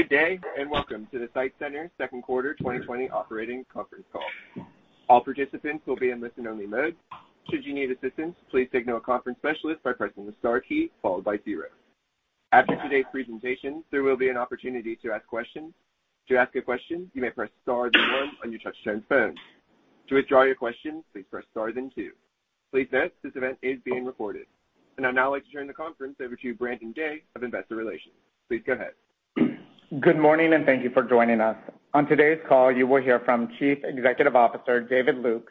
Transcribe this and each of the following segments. Good day. Welcome to the SITE Centers' second quarter 2020 operating conference call. All participants will be in listen only mode. Should you need assistance, please signal a conference specialist by pressing the star key, followed by zero. After today's presentation, there will be an opportunity to ask questions. To ask a question, you may press star then one on your touch-tone phone. To withdraw your question, please press star then two. Please note, this event is being recorded. I'd now like to turn the conference over to Brandon Day of Investor Relations. Please go ahead. Good morning, and thank you for joining us. On today's call, you will hear from Chief Executive Officer, David Lukes,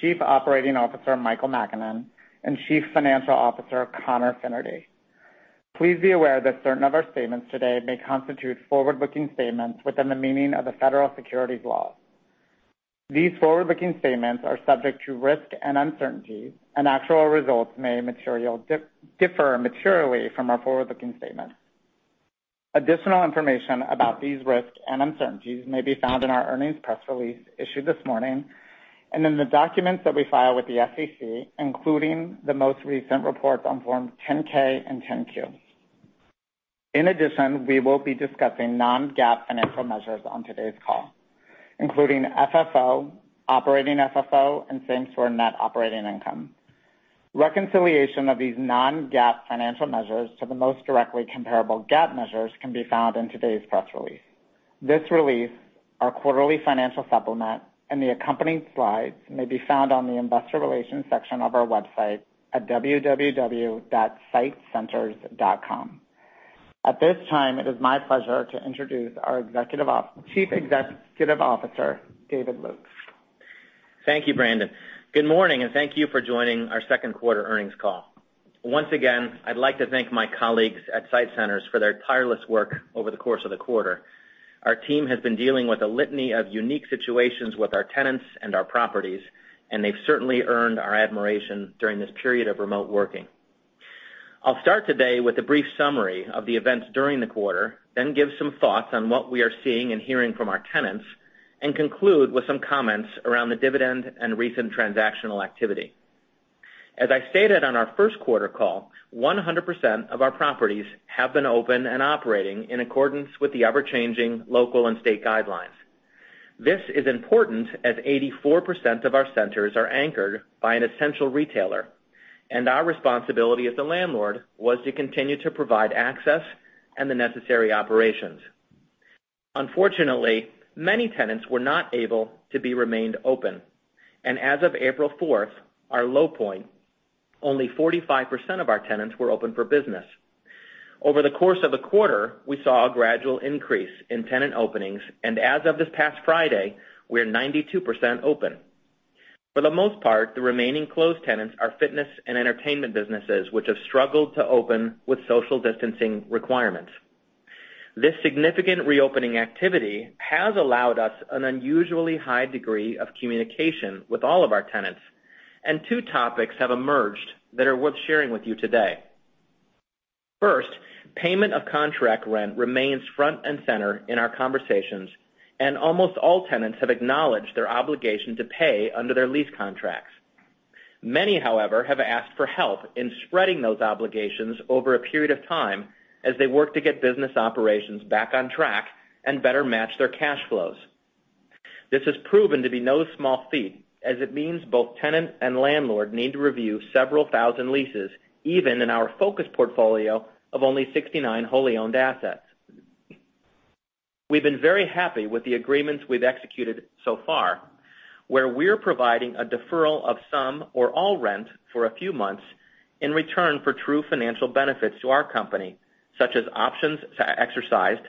Chief Operating Officer, Michael Makinen, and Chief Financial Officer, Conor Fennerty. Please be aware that certain of our statements today may constitute forward-looking statements within the meaning of the federal securities laws. These forward-looking statements are subject to risk and uncertainty, and actual results may differ materially from our forward-looking statements. Additional information about these risks and uncertainties may be found in our earnings press release issued this morning, and in the documents that we file with the SEC, including the most recent reports on Forms 10-K and 10-Q. In addition, we will be discussing non-GAAP financial measures on today's call, including FFO, operating FFO, and same-store net operating income. Reconciliation of these non-GAAP financial measures to the most directly comparable GAAP measures can be found in today's press release. This release, our quarterly financial supplement, and the accompanying slides may be found on the Investor Relations section of our website at www.sitecenters.com. At this time, it is my pleasure to introduce our Chief Executive Officer, David Lukes. Thank you, Brandon. Good morning, and thank you for joining our second quarter earnings call. Once again, I'd like to thank my colleagues at SITE Centers for their tireless work over the course of the quarter. Our team has been dealing with a litany of unique situations with our tenants and our properties, and they've certainly earned our admiration during this period of remote working. I'll start today with a brief summary of the events during the quarter, then give some thoughts on what we are seeing and hearing from our tenants, and conclude with some comments around the dividend and recent transactional activity. As I stated on our first quarter call, 100% of our properties have been open and operating in accordance with the ever-changing local and state guidelines. This is important as 84% of our centers are anchored by an essential retailer, and our responsibility as the landlord was to continue to provide access and the necessary operations. Unfortunately, many tenants were not able to be remained open. As of April 4th, our low point, only 45% of our tenants were open for business. Over the course of the quarter, we saw a gradual increase in tenant openings, and as of this past Friday, we're 92% open. For the most part, the remaining closed tenants are fitness and entertainment businesses, which have struggled to open with social distancing requirements. This significant reopening activity has allowed us an unusually high degree of communication with all of our tenants, and two topics have emerged that are worth sharing with you today. First, payment of contract rent remains front and center in our conversations, and almost all tenants have acknowledged their obligation to pay under their lease contracts. Many, however, have asked for help in spreading those obligations over a period of time as they work to get business operations back on track and better match their cash flows. This has proven to be no small feat, as it means both tenant and landlord need to review several thousand leases, even in our focused portfolio of only 69 wholly-owned assets. We've been very happy with the agreements we've executed so far, where we're providing a deferral of some or all rent for a few months in return for true financial benefits to our company, such as options exercised,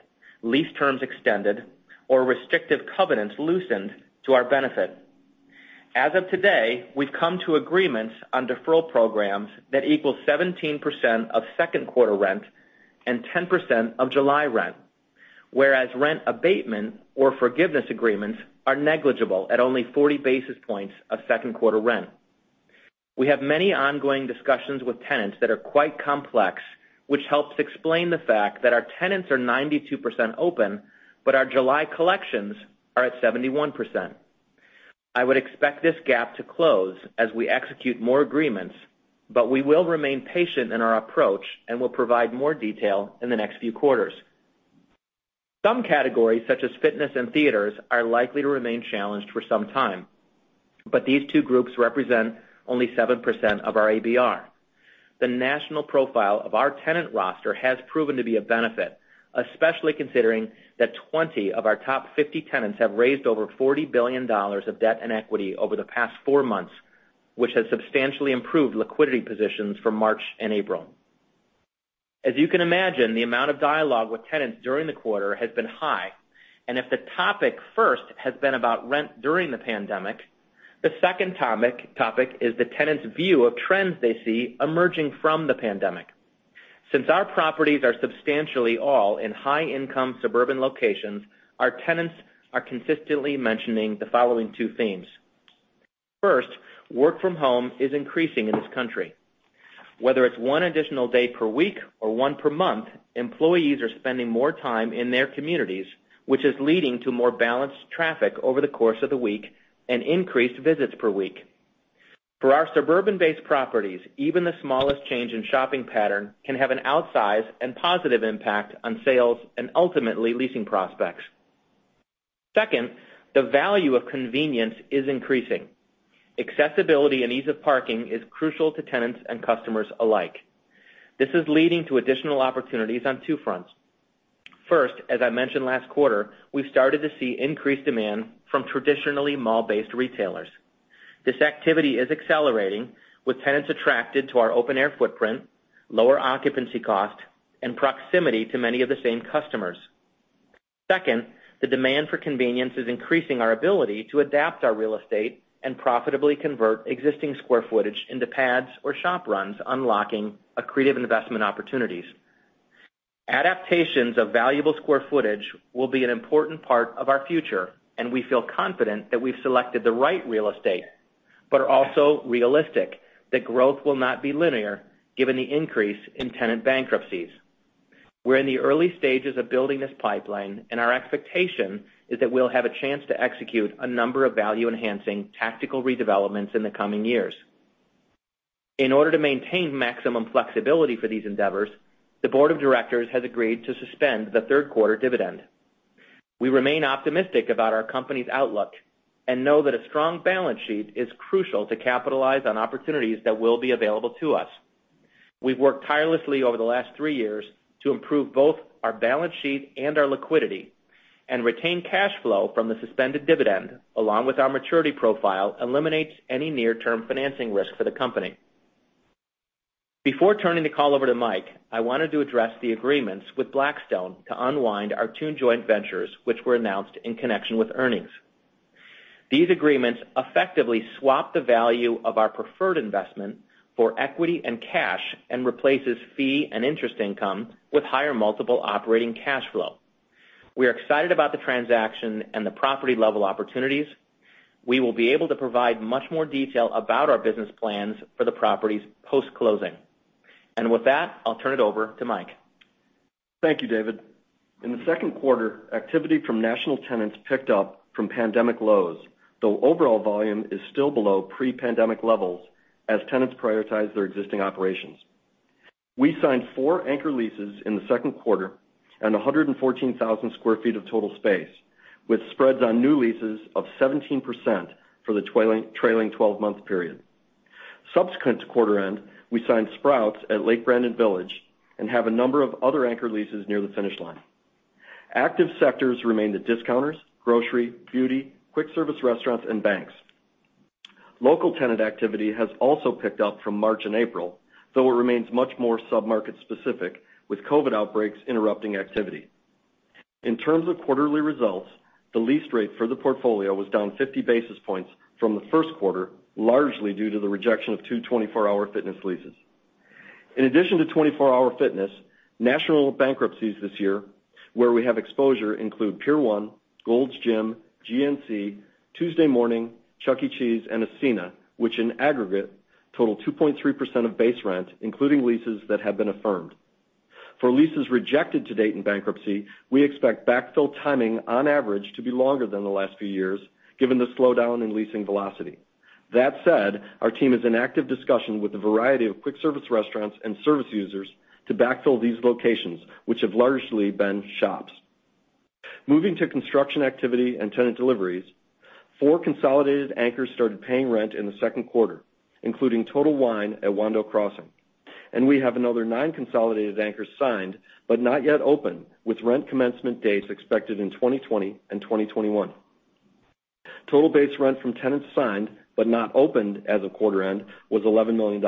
lease terms extended, or restrictive covenants loosened to our benefit. As of today, we've come to agreements on deferral programs that equal 17% of second quarter rent and 10% of July rent. Where as rent abatement or forgiveness agreements are negligible at only 40 basis points of second quarter rent. We have many ongoing discussions with tenants that are quite complex, which helps explain the fact that our tenants are 92% open, but our July collections are at 71%. I would expect this gap to close as we execute more agreements, but we will remain patient in our approach and will provide more detail in the next few quarters. Some categories such as fitness and theaters are likely to remain challenged for some time, but these two groups represent only 7% of our ABR. The national profile of our tenant roster has proven to be a benefit, especially considering that 20 of our top 50 tenants have raised over $40 billion of debt and equity over the past four months, which has substantially improved liquidity positions from March and April. As you can imagine the amount of dialogue with tenants during the quarter has been high and if the topic first has been about rent during the pandemic, the second topic is the tenant's view of trends they see emerging from the pandemic. Since our properties are substantially all in high-income suburban locations, our tenants are consistently mentioning the following two themes. First, work from home is increasing in this country. Whether it's one additional day per week or one per month, employees are spending more time in their communities, which is leading to more balanced traffic over the course of the week and increased visits per week. For our suburban-based properties, even the smallest change in shopping pattern can have an outsized and positive impact on sales and ultimately leasing prospects. Second, the value of convenience is increasing. Accessibility and ease of parking is crucial to tenants and customers alike. This is leading to additional opportunities on two fronts. First, as I mentioned last quarter, we've started to see increased demand from traditionally mall-based retailers. This activity is accelerating with tenants attracted to our open air footprint, lower occupancy cost, and proximity to many of the same customers. Second, the demand for convenience is increasing our ability to adapt our real estate and profitably convert existing square footage into pads or shop runs, unlocking accretive investment opportunities. Adaptations of valuable square footage will be an important part of our future, and we feel confident that we've selected the right real estate, but are also realistic that growth will not be linear given the increase in tenant bankruptcies. We're in the early stages of building this pipeline, and our expectation is that we'll have a chance to execute a number of value-enhancing tactical redevelopments in the coming years. In order to maintain maximum flexibility for these endeavors, the Board of Directors has agreed to suspend the third-quarter dividend. We remain optimistic about our company's outlook and know that a strong balance sheet is crucial to capitalize on opportunities that will be available to us. We've worked tirelessly over the last three years to improve both our balance sheet and our liquidity and retain cash flow from the suspended dividend, along with our maturity profile, eliminates any near-term financing risk for the company. Before turning the call over to Mike, I wanted to address the agreements with Blackstone to unwind our two joint ventures, which were announced in connection with earnings. These agreements effectively swap the value of our preferred investment for equity and cash and replaces fee and interest income with higher multiple operating cash flow. We are excited about the transaction and the property-level opportunities. We will be able to provide much more detail about our business plans for the properties post-closing. With that, I'll turn it over to Mike. Thank you, David. In the second quarter, activity from national tenants picked up from pandemic lows, though overall volume is still below pre-pandemic levels as tenants prioritize their existing operations. We signed four anchor leases in the second quarter and 114,000 sq ft of total space, with spreads on new leases of 17% for the trailing 12-month period. Subsequent to quarter end, we signed Sprouts at Lake Brandon Village and have a number of other anchor leases near the finish line. Active sectors remain the discounters, grocery, beauty, quick service restaurants, and banks. Local tenant activity has also picked up from March and April, though it remains much more submarket specific, with COVID outbreaks interrupting activity. In terms of quarterly results, the lease rate for the portfolio was down 50 basis points from the first quarter, largely due to the rejection of two 24 Hour Fitness leases. In addition to 24 Hour Fitness, national bankruptcies this year where we have exposure include Pier 1, Gold's Gym, GNC, Tuesday Morning, Chuck E. Cheese, and Ascena, which in aggregate total 2.3% of base rent, including leases that have been affirmed. For leases rejected to date in bankruptcy, we expect backfill timing on average to be longer than the last few years, given the slowdown in leasing velocity. That said, our team is in active discussion with a variety of quick service restaurants and service users to backfill these locations, which have largely been shops. Moving to construction activity and tenant deliveries, four consolidated anchors started paying rent in the second quarter, including Total Wine at Wando Crossing, and we have another nine consolidated anchors signed but not yet open, with rent commencement dates expected in 2020 and 2021. Total base rent from tenants signed but not opened as of quarter-end was $11 million.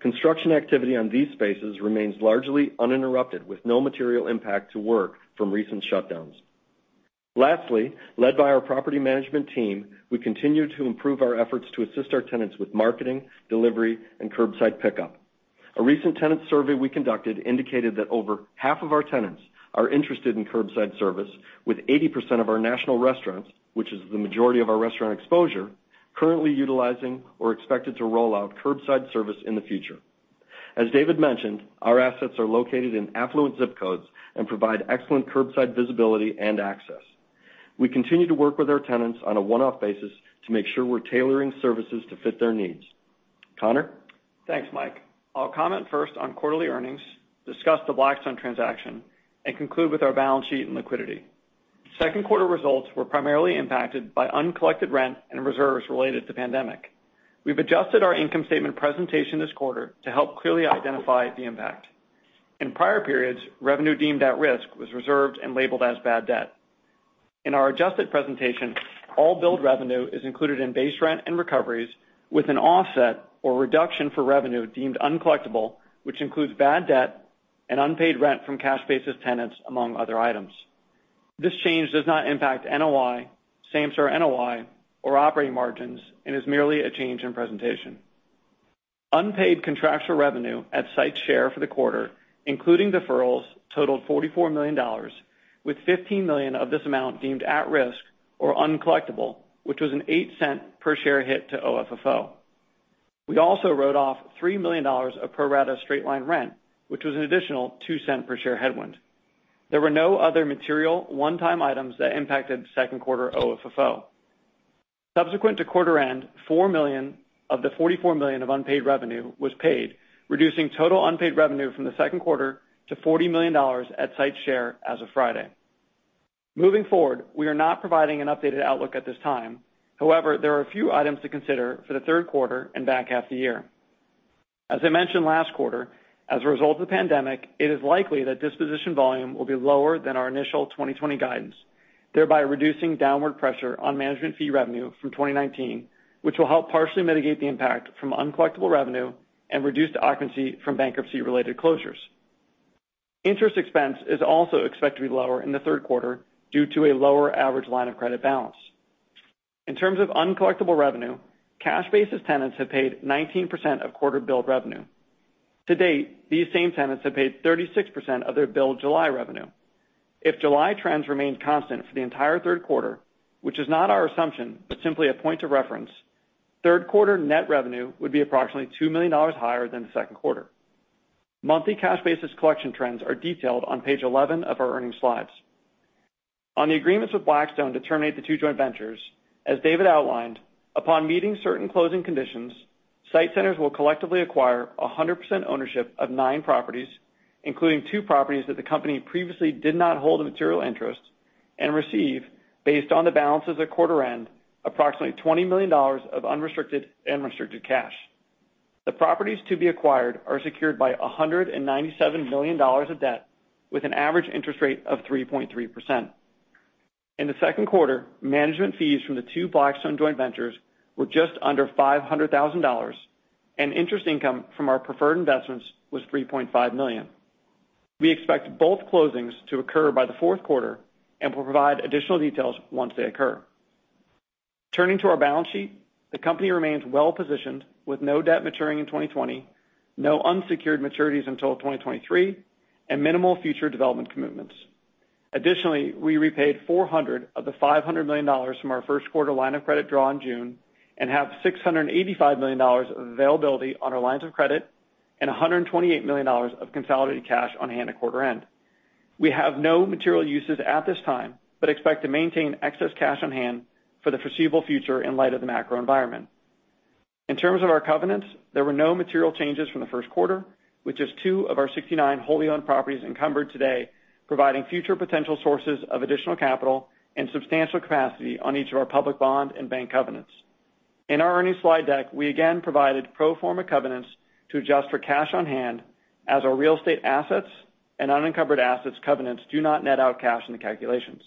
Construction activity on these spaces remains largely uninterrupted, with no material impact to work from recent shutdowns. Lastly, led by our property management team, we continue to improve our efforts to assist our tenants with marketing, delivery, and curbside pickup. A recent tenant survey we conducted indicated that over half of our tenants are interested in curbside service, with 80% of our national restaurants, which is the majority of our restaurant exposure, currently utilizing or expected to roll out curbside service in the future. As David mentioned, our assets are located in affluent zip codes and provide excellent curbside visibility and access. We continue to work with our tenants on a one-off basis to make sure we're tailoring services to fit their needs. Conor? Thanks, Mike. I'll comment first on quarterly earnings, discuss the Blackstone transaction, and conclude with our balance sheet and liquidity. Second quarter results were primarily impacted by uncollected rent and reserves related to pandemic. We've adjusted our income statement presentation this quarter to help clearly identify the impact. In prior periods, revenue deemed at risk was reserved and labeled as bad debt. In our adjusted presentation, all billed revenue is included in base rent and recoveries with an offset or reduction for revenue deemed uncollectible, which includes bad debt and unpaid rent from cash basis tenants, among other items. This change does not impact NOI, same-store NOI, or operating margins and is merely a change in presentation. Unpaid contractual revenue at SITE share for the quarter, including deferrals, totaled $44 million, with $15 million of this amount deemed at risk or uncollectible, which was an $0.08 per share hit to OFFO. We also wrote off $3 million of pro rata straight line rent, which was an additional $0.02 per share headwind. There were no other material one-time items that impacted second quarter OFFO. Subsequent to quarter end, $4 million of the $44 million of unpaid revenue was paid, reducing total unpaid revenue from the second quarter to $40 million at SITE's share as of Friday. Moving forward, we are not providing an updated outlook at this time. However, there are a few items to consider for the third quarter and back half of the year. As I mentioned last quarter, as a result of the pandemic, it is likely that disposition volume will be lower than our initial 2020 guidance, thereby reducing downward pressure on management fee revenue from 2019, which will help partially mitigate the impact from uncollectible revenue and reduced occupancy from bankruptcy-related closures. Interest expense is also expected to be lower in the third quarter due to a lower average line of credit balance. In terms of uncollectible revenue, cash-basis tenants have paid 19% of quarter billed revenue. To date, these same tenants have paid 36% of their billed July revenue. If July trends remain constant for the entire third quarter, which is not our assumption, but simply a point of reference, third quarter net revenue would be approximately $2 million higher than the second quarter. Monthly cash basis collection trends are detailed on page 11 of our earnings slides. On the agreements with Blackstone to terminate the two joint ventures, as David outlined, upon meeting certain closing conditions, SITE Centers will collectively acquire 100% ownership of nine properties, including two properties that the company previously did not hold a material interest, and receive, based on the balances at quarter end, approximately $20 million of unrestricted and restricted cash. The properties to be acquired are secured by $197 million of debt with an average interest rate of 3.3%. In the second quarter, management fees from the two Blackstone joint ventures were just under $500,000, and interest income from our preferred investments was $3.5 million. We expect both closings to occur by the fourth quarter and will provide additional details once they occur. Turning to our balance sheet, the company remains well-positioned with no debt maturing in 2020, no unsecured maturities until 2023, and minimal future development commitments. Additionally, we repaid $400 million of the $500 million from our first quarter line of credit draw in June and have $685 million of availability on our lines of credit and $128 million of consolidated cash on hand at quarter end. We have no material uses at this time. Expect to maintain excess cash on hand for the foreseeable future in light of the macro environment. In terms of our covenants, there were no material changes from the first quarter, with just two of our 69 wholly owned properties encumbered today, providing future potential sources of additional capital and substantial capacity on each of our public bond and bank covenants. In our earnings slide deck, we again provided pro forma covenants to adjust for cash on hand as our real estate assets and unencumbered assets covenants do not net out cash in the calculations.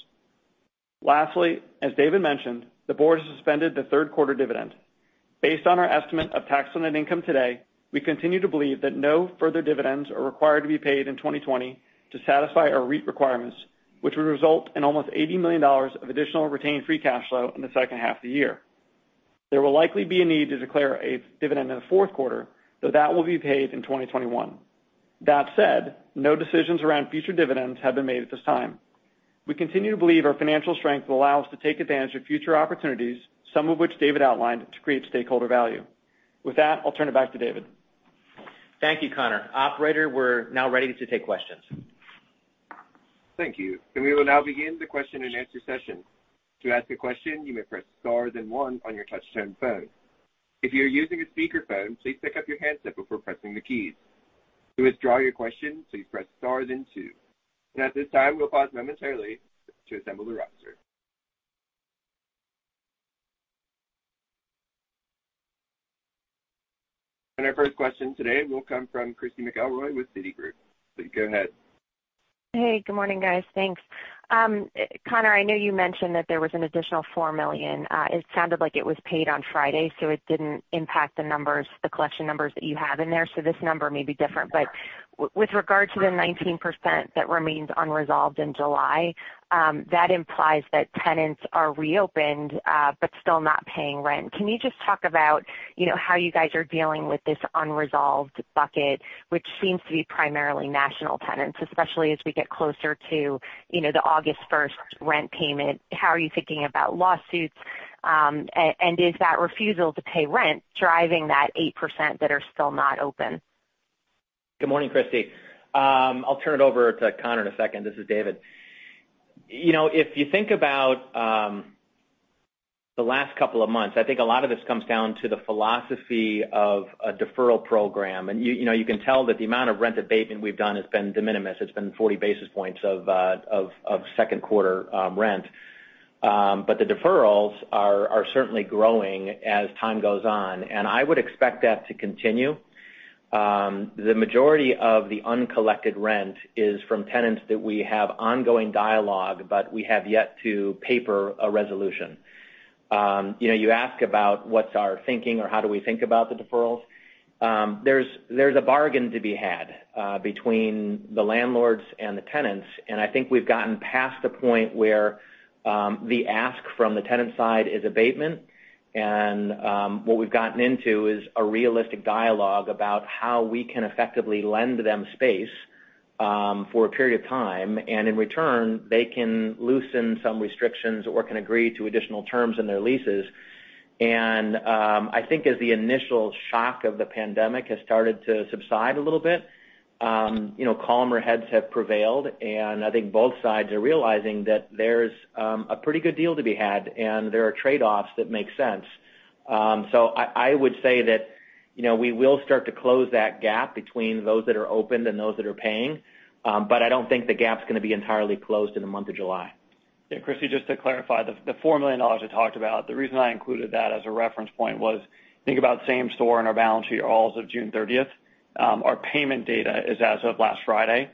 Lastly, as David mentioned, the Board suspended the third quarter dividend. Based on our estimate of tax on net income today, we continue to believe that no further dividends are required to be paid in 2020 to satisfy our REIT requirements, which would result in almost $80 million of additional retained free cash flow in the second half of the year. There will likely be a need to declare a dividend in the fourth quarter, though that will be paid in 2021. That said, no decisions around future dividends have been made at this time. We continue to believe our financial strength will allow us to take advantage of future opportunities, some of which David outlined, to create stakeholder value. With that, I'll turn it back to David. Thank you, Conor. Operator, we're now ready to take questions. Thank you. We will now begin the question-and-answer session. To ask a question, you may press star then one on your touch-tone phone. If you are using a speakerphone, please pick up your handset before pressing the keys. To withdraw your question, please press star then two. At this time, we'll pause momentarily to assemble the roster. Our first question today will come from Christy McElroy with Citigroup. Please go ahead. Hey, good morning, guys. Thanks. Connor, I know you mentioned that there was an additional $4 million. It sounded like it was paid on Friday, so it didn't impact the collection numbers that you have in there. This number may be different. With regard to the 19% that remains unresolved in July, that implies that tenants are reopened, but still not paying rent. Can you just talk about how you guys are dealing with this unresolved bucket, which seems to be primarily national tenants, especially as we get closer to the August 1st rent payment? How are you thinking about lawsuits? Is that refusal to pay rent driving that 8% that are still not open? Good morning, Christy. I'll turn it over to Conor in a second. This is David. If you think about the last couple of months, I think a lot of this comes down to the philosophy of a deferral program. You can tell that the amount of rent abatement we've done has been de minimis. It's been 40 basis points of second quarter rent. The deferrals are certainly growing as time goes on, and I would expect that to continue. The majority of the uncollected rent is from tenants that we have ongoing dialogue, but we have yet to paper a resolution. You ask about what's our thinking or how do we think about the deferrals. There's a bargain to be had between the landlords and the tenants, and I think we've gotten past the point where the ask from the tenant side is abatement. What we've gotten into is a realistic dialogue about how we can effectively lend them space for a period of time, and in return, they can loosen some restrictions or can agree to additional terms in their leases. I think as the initial shock of the pandemic has started to subside a little bit, calmer heads have prevailed, and I think both sides are realizing that there's a pretty good deal to be had, and there are trade-offs that make sense. I would say that we will start to close that gap between those that are opened and those that are paying. I don't think the gap's going to be entirely closed in the month of July. Christy, just to clarify, the $4 million I talked about, the reason I included that as a reference point was, think about same-store on our balance sheet, all as of June 30th. Our payment data is as of last Friday.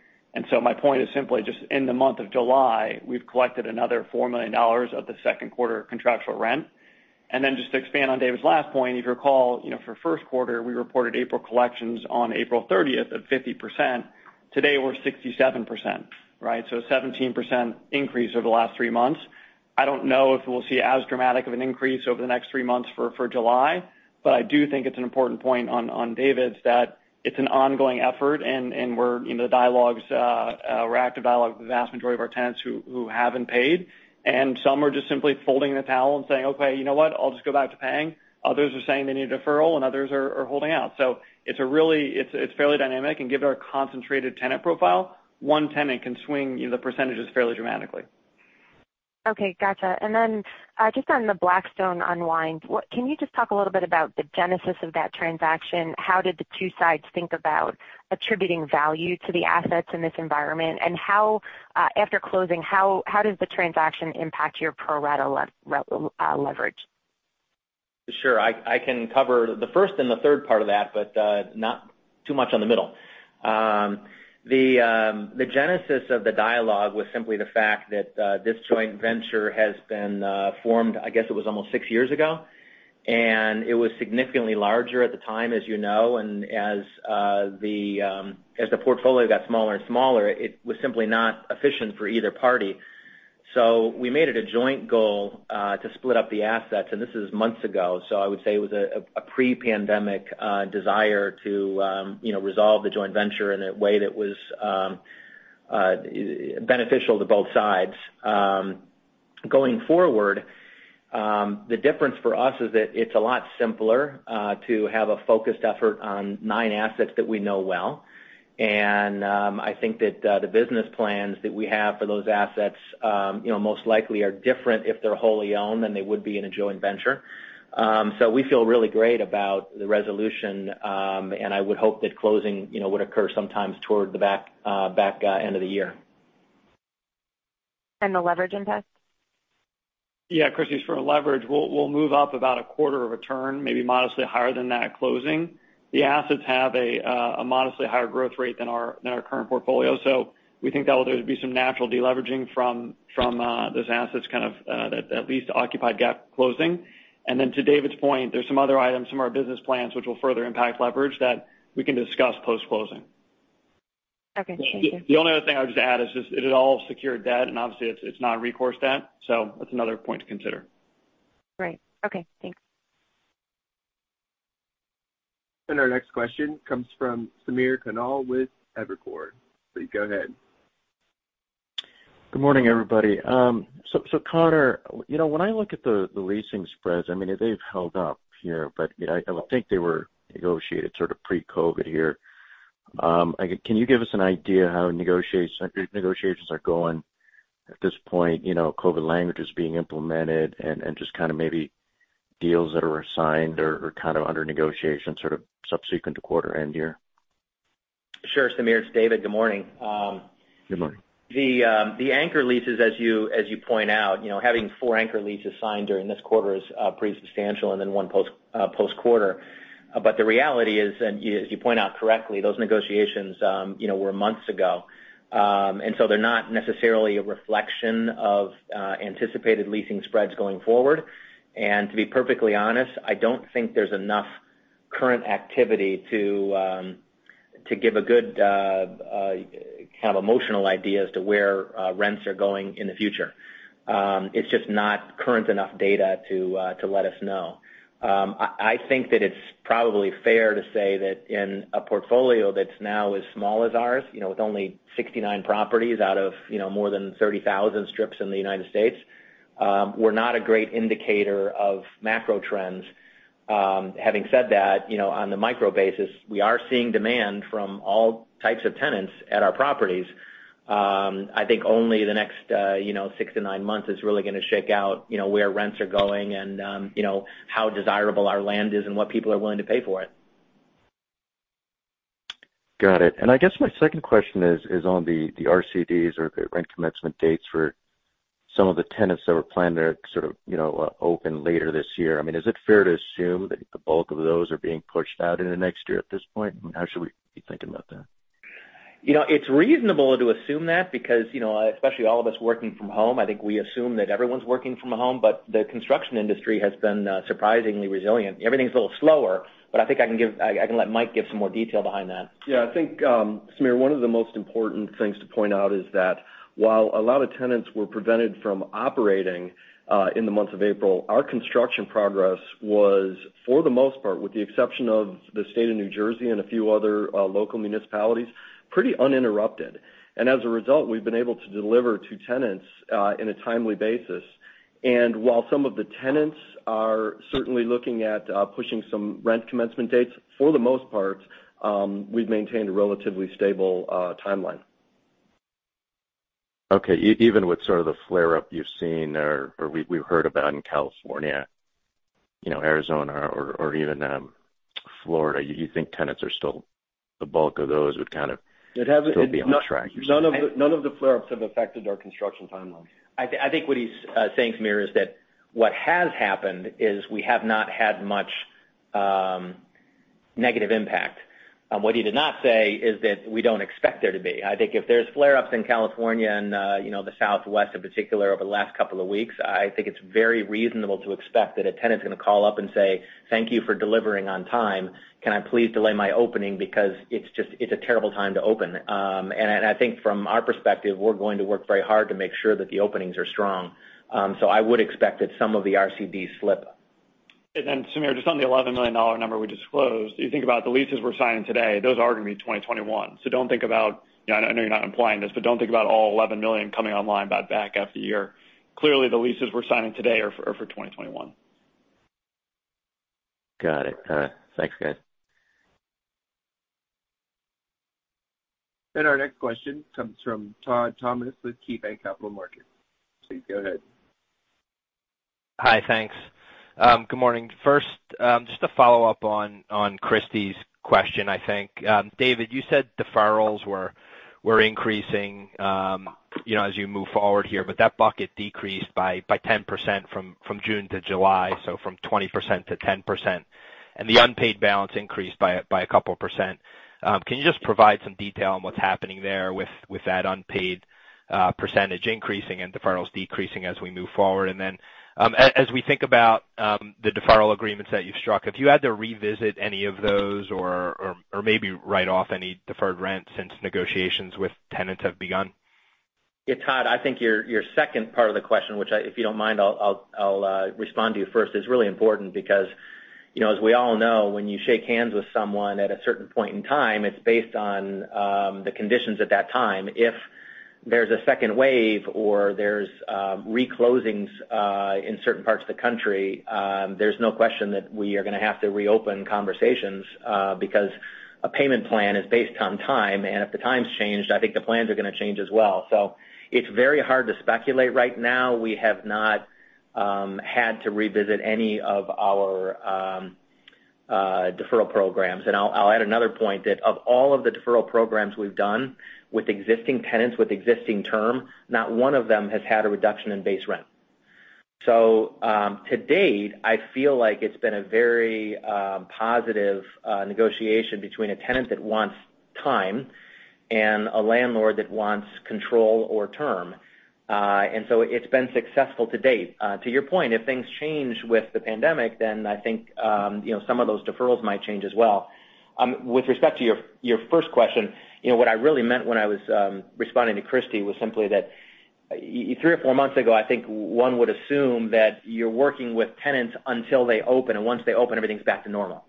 My point is simply just in the month of July, we've collected another $4 million of the second quarter contractual rent. Just to expand on David's last point, if you recall, for first quarter, we reported April collections on April 30th of 50%. Today, we're 67%, 17% increase over the last three months. I don't know if we'll see as dramatic of an increase over the next three months for July, but I do think it's an important point on David's that it's an ongoing effort, and we're in the dialogues, we're active dialogue with the vast majority of our tenants who haven't paid, and some are just simply folding the towel and saying, "Okay, you know what? I'll just go back to paying." Others are saying they need a deferral, and others are holding out. It's fairly dynamic, and given our concentrated tenant profile, one tenant can swing the percentages fairly dramatically. Okay. Got you. Just on the Blackstone unwind, can you just talk a little bit about the genesis of that transaction? How did the two sides think about attributing value to the assets in this environment, and after closing, how does the transaction impact your pro rata leverage? Sure. I can cover the first and the third part of that, but not too much on the middle. The genesis of the dialogue was simply the fact that this joint venture has been formed, I guess it was almost six years ago, and it was significantly larger at the time, as you know. As the portfolio got smaller and smaller, it was simply not efficient for either party. We made it a joint goal to split up the assets, and this is months ago, I would say it was a pre-pandemic desire to resolve the joint venture in a way that was beneficial to both sides. Going forward, the difference for us is that it's a lot simpler to have a focused effort on nine assets that we know well. I think that the business plans that we have for those assets most likely are different if they're wholly owned than they would be in a joint venture. We feel really great about the resolution, and I would hope that closing would occur sometimes toward the back end of the year. The leverage impact? Yeah, Christy, as for leverage, we'll move up about a quarter of a turn, maybe modestly higher than that closing. The assets have a modestly higher growth rate than our current portfolio, so we think that there will be some natural de-leveraging from those assets kind of that at least occupied gap closing. Then to David's point, there's some other items from our business plans which will further impact leverage that we can discuss post-closing. Okay. Thank you. The only other thing I'll just add is just it is all secured debt, and obviously it's not recourse debt, so that's another point to consider. Great. Okay, thanks. Our next question comes from Samir Khanal with Evercore. Please go ahead. Good morning, everybody. Conor, when I look at the leasing spreads, they've held up here, but I would think they were negotiated sort of pre-COVID here. Can you give us an idea how negotiations are going at this point? COVID language is being implemented and just kind of maybe deals that are assigned or kind of under negotiation sort of subsequent to quarter end year? Sure, Samir. It's David. Good morning. Good morning. The anchor leases, as you point out, having four anchor leases signed during this quarter is pretty substantial and then one post-quarter. The reality is, and as you point out correctly, those negotiations were months ago. They're not necessarily a reflection of anticipated leasing spreads going forward. To be perfectly honest, I don't think there's enough current activity to give a good kind of emotional idea as to where rents are going in the future. It's just not current enough data to let us know. I think that it's probably fair to say that in a portfolio that's now as small as ours, with only 69 properties out of more than 30,000 strips in the United States, we're not a great indicator of macro trends. Having said that, on the micro basis, we are seeing demand from all types of tenants at our properties. I think only the next six to nine months is really going to shake out where rents are going and how desirable our land is and what people are willing to pay for it. Got it. I guess my second question is on the RCDs or the rent commencement dates for some of the tenants that were planned to sort of open later this year. Is it fair to assume that the bulk of those are being pushed out into next year at this point? How should we be thinking about that? It's reasonable to assume that because, especially all of us working from home, I think we assume that everyone's working from home, but the construction industry has been surprisingly resilient. Everything's a little slower, but I think I can let Mike give some more detail behind that. Yeah. I think, Samir, one of the most important things to point out is that while a lot of tenants were prevented from operating in the month of April, our construction progress was, for the most part, with the exception of the state of New Jersey and a few other local municipalities, pretty uninterrupted. As a result, we've been able to deliver to tenants in a timely basis. While some of the tenants are certainly looking at pushing some rent commencement dates, for the most part, we've maintained a relatively stable timeline. Okay. Even with sort of the flare up you've seen or we've heard about in California, Arizona or even Florida, you think tenants are still the bulk of those would kind of still be on track, you're saying? None of the flare-ups have affected our construction timelines. I think what he's saying, Samir, is that what has happened is we have not had much negative impact. What he did not say is that we don't expect there to be. I think if there's flare-ups in California and the Southwest, in particular, over the last couple of weeks, I think it's very reasonable to expect that a tenant's going to call up and say, "Thank you for delivering on time. Can I please delay my opening because it's a terrible time to open." I think from our perspective, we're going to work very hard to make sure that the openings are strong. I would expect that some of the RCDs slip. Samir, just on the $11 million number we disclosed, you think about the leases we're signing today, those are going to be 2021. I know you're not implying this, but don't think about all $11 million coming online back after year. Clearly, the leases we're signing today are for 2021. Got it. Thanks, guys. Our next question comes from Todd Thomas with KeyBanc Capital Markets. You go ahead. Hi. Thanks. Good morning. First, just to follow up on Christy's question, I think. David, you said deferrals were increasing as you move forward here, that bucket decreased by 10% from June to July, so from 20% to 10%. The unpaid balance increased by a couple percent. Can you just provide some detail on what's happening there with that unpaid percentage increasing and deferrals decreasing as we move forward? As we think about the deferral agreements that you've struck, have you had to revisit any of those, or maybe write off any deferred rent since negotiations with tenants have begun? Todd, I think your second part of the question, which if you don't mind, I'll respond to you first, is really important because, as we all know, when you shake hands with someone at a certain point in time, it's based on the conditions at that time. If there's a second wave or there's re-closings in certain parts of the country, there's no question that we are going to have to reopen conversations because a payment plan is based on time, and if the time's changed, I think the plans are going to change as well. It's very hard to speculate right now. We have not had to revisit any of our deferral programs. I'll add another point, that of all of the deferral programs we've done with existing tenants with existing term, not one of them has had a reduction in base rent. To date, I feel like it's been a very positive negotiation between a tenant that wants time and a landlord that wants control or term. It's been successful to date. To your point, if things change with the pandemic, then I think some of those deferrals might change as well. With respect to your first question, what I really meant when I was responding to Christy was simply that three or four months ago, I think one would assume that you're working with tenants until they open, and once they open, everything's back to normal.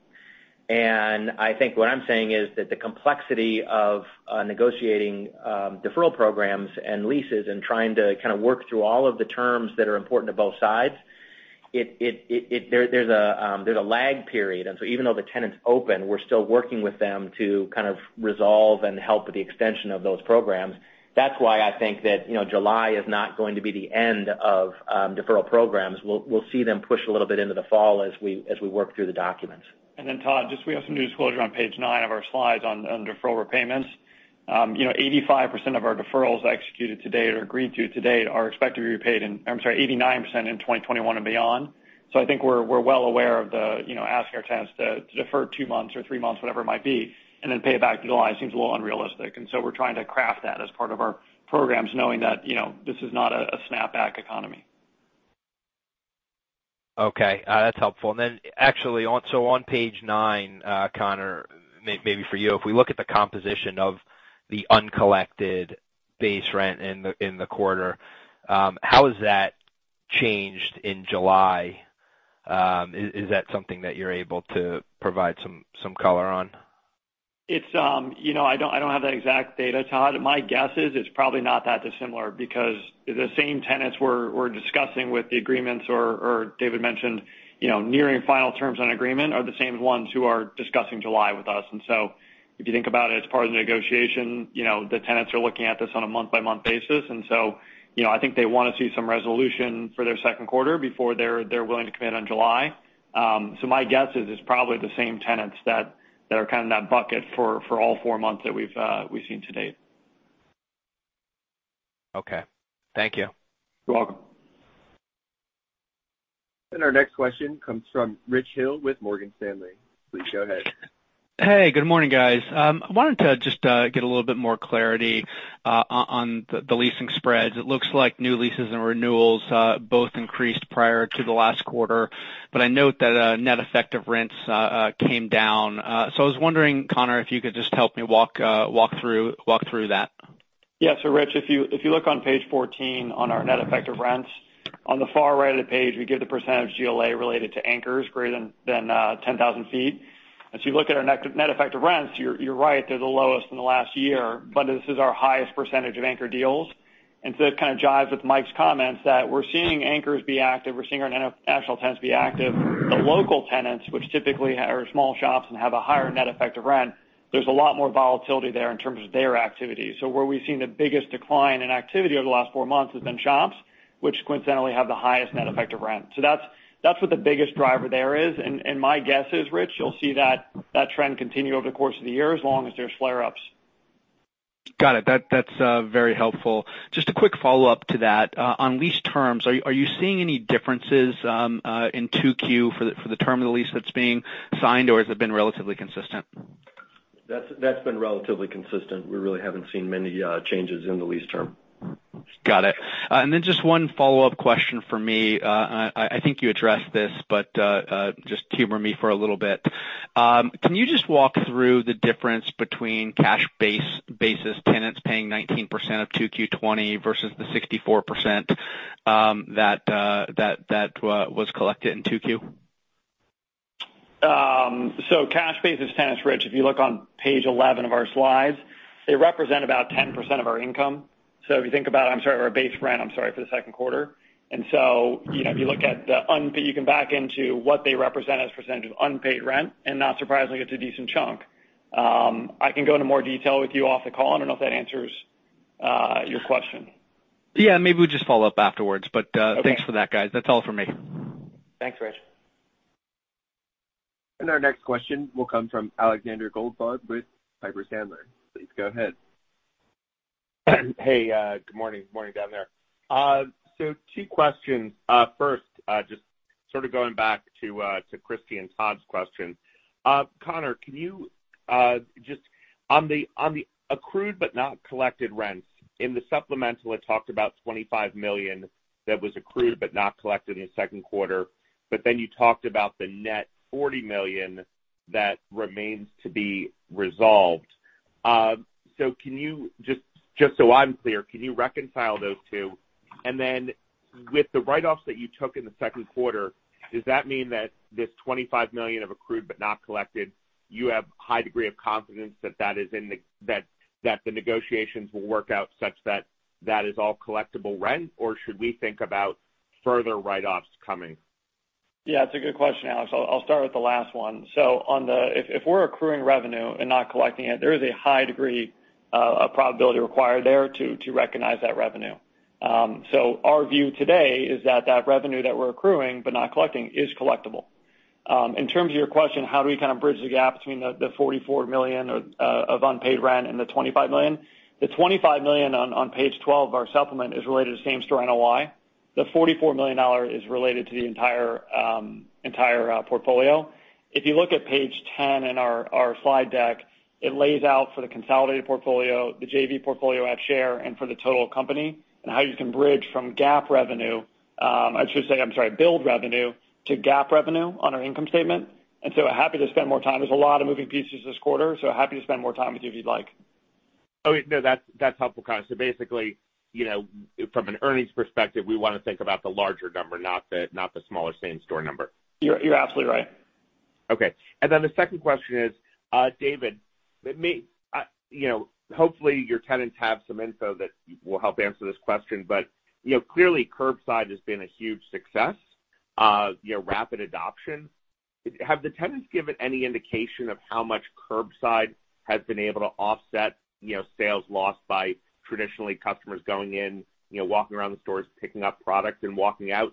I think what I'm saying is that the complexity of negotiating deferral programs and leases and trying to kind of work through all of the terms that are important to both sides, there's a lag period. Even though the tenant's open, we're still working with them to kind of resolve and help with the extension of those programs. That's why I think that July is not going to be the end of deferral programs. We'll see them push a little bit into the fall as we work through the documents. Todd, just we have some new disclosure on page nine of our slides on deferral repayments. 85% of our deferrals executed to date or agreed to to date are expected to be repaid in I'm sorry, 89% in 2021 and beyond. I think we're well aware of the asking our tenants to defer two months or three months, whatever it might be, and then pay it back in July seems a little unrealistic. We're trying to craft that as part of our programs, knowing that this is not a snap-back economy. Okay. That's helpful. Actually, so on page nine, Conor, maybe for you, if we look at the composition of the uncollected base rent in the quarter, how has that changed in July? Is that something that you're able to provide some color on? I don't have that exact data, Todd. My guess is it's probably not that dissimilar because the same tenants we're discussing with the agreements or David mentioned nearing final terms on agreement are the same ones who are discussing July with us. If you think about it as part of the negotiation, the tenants are looking at this on a month-by-month basis. I think they want to see some resolution for their second quarter before they're willing to commit on July. My guess is it's probably the same tenants that are kind of in that bucket for all four months that we've seen to date. Okay. Thank you. You're welcome. Our next question comes from Rich Hill with Morgan Stanley. Please go ahead. Hey, good morning, guys. I wanted to just get a little bit more clarity on the leasing spreads. It looks like new leases and renewals both increased prior to the last quarter, but I note that net effective rents came down. I was wondering, Conor, if you could just help me walk through that? Yeah. Rich, if you look on page 14 on our net effective rents, on the far right of the page, we give the percentage of GLA related to anchors greater than 10,000 ft. As you look at our net effective rents, you're right, they're the lowest in the last year, but this is our highest % of anchor deals. It kind of jives with Mike's comments that we're seeing anchors be active, we're seeing our national tenants be active. The local tenants, which typically are small shops and have a higher net effective rent, there's a lot more volatility there in terms of their activity. Where we've seen the biggest decline in activity over the last four months has been shops, which coincidentally have the highest net effective rent. That's what the biggest driver there is, and my guess is, Rich, you'll see that trend continue over the course of the year as long as there's flare-ups. Got it. That's very helpful. Just a quick follow-up to that. On lease terms, are you seeing any differences in 2Q for the term of the lease that's being signed, or has it been relatively consistent? That's been relatively consistent. We really haven't seen many changes in the lease term. Got it. Then just one follow-up question from me. I think you addressed this, but just humor me for a little bit. Can you just walk through the difference between cash-basis tenants paying 19% of 2Q 2020 versus the 64% that was collected in 2Q? Cash-basis tenants, Rich, if you look on page 11 of our slides, they represent about 10% of our income. If you think about it, I'm sorry, our base rent, I'm sorry, for the second quarter. If you look at, you can back into what they represent as a percentage of unpaid rent, and not surprisingly, it's a decent chunk. I can go into more detail with you off the call. I don't know if that answers your question? Yeah, maybe we just follow up afterwards. Okay. Thanks for that, guys. That's all for me. Thanks, Rich. Our next question will come from Alexander Goldfarb with Piper Sandler. Please go ahead. Hey, good morning. Morning down there. Two questions. First, just sort of going back to Christy and Todd's question. Conor, can you on the accrued but not collected rents, in the supplemental, it talked about $25 million that was accrued but not collected in the second quarter. You talked about the net $40 million that remains to be resolved. Can you just so I'm clear, can you reconcile those two? With the write-offs that you took in the second quarter, does that mean that this $25 million of accrued but not collected, you have high degree of confidence that the negotiations will work out such that is all collectible rent, or should we think about further write-offs coming? Yeah, it's a good question, Alex. I'll start with the last one. If we're accruing revenue and not collecting it, there is a high degree of probability required there to recognize that revenue. Our view today is that that revenue that we're accruing but not collecting is collectible. In terms of your question, how do we kind of bridge the gap between the $44 million of unpaid rent and the $25 million? The $25 million on page 12 of our supplement is related to same-store NOI. The $44 million is related to the entire portfolio. If you look at page 10 in our slide deck, it lays out for the consolidated portfolio, the JV portfolio at share, and for the total company, and how you can bridge from GAAP revenue. I should say, I'm sorry, bild revenue to GAAP revenue on our income statement. Happy to spend more time. There's a lot of moving pieces this quarter, so happy to spend more time with you if you'd like. Oh, wait, no. That's helpful, Conor. Basically, from an earnings perspective, we want to think about the larger number, not the smaller same-store number. You're absolutely right. Okay. The second question is, David, hopefully your tenants have some info that will help answer this question, but clearly curbside has been a huge success. Rapid adoption. Have the tenants given any indication of how much curbside has been able to offset sales lost by traditionally customers going in, walking around the stores, picking up product and walking out?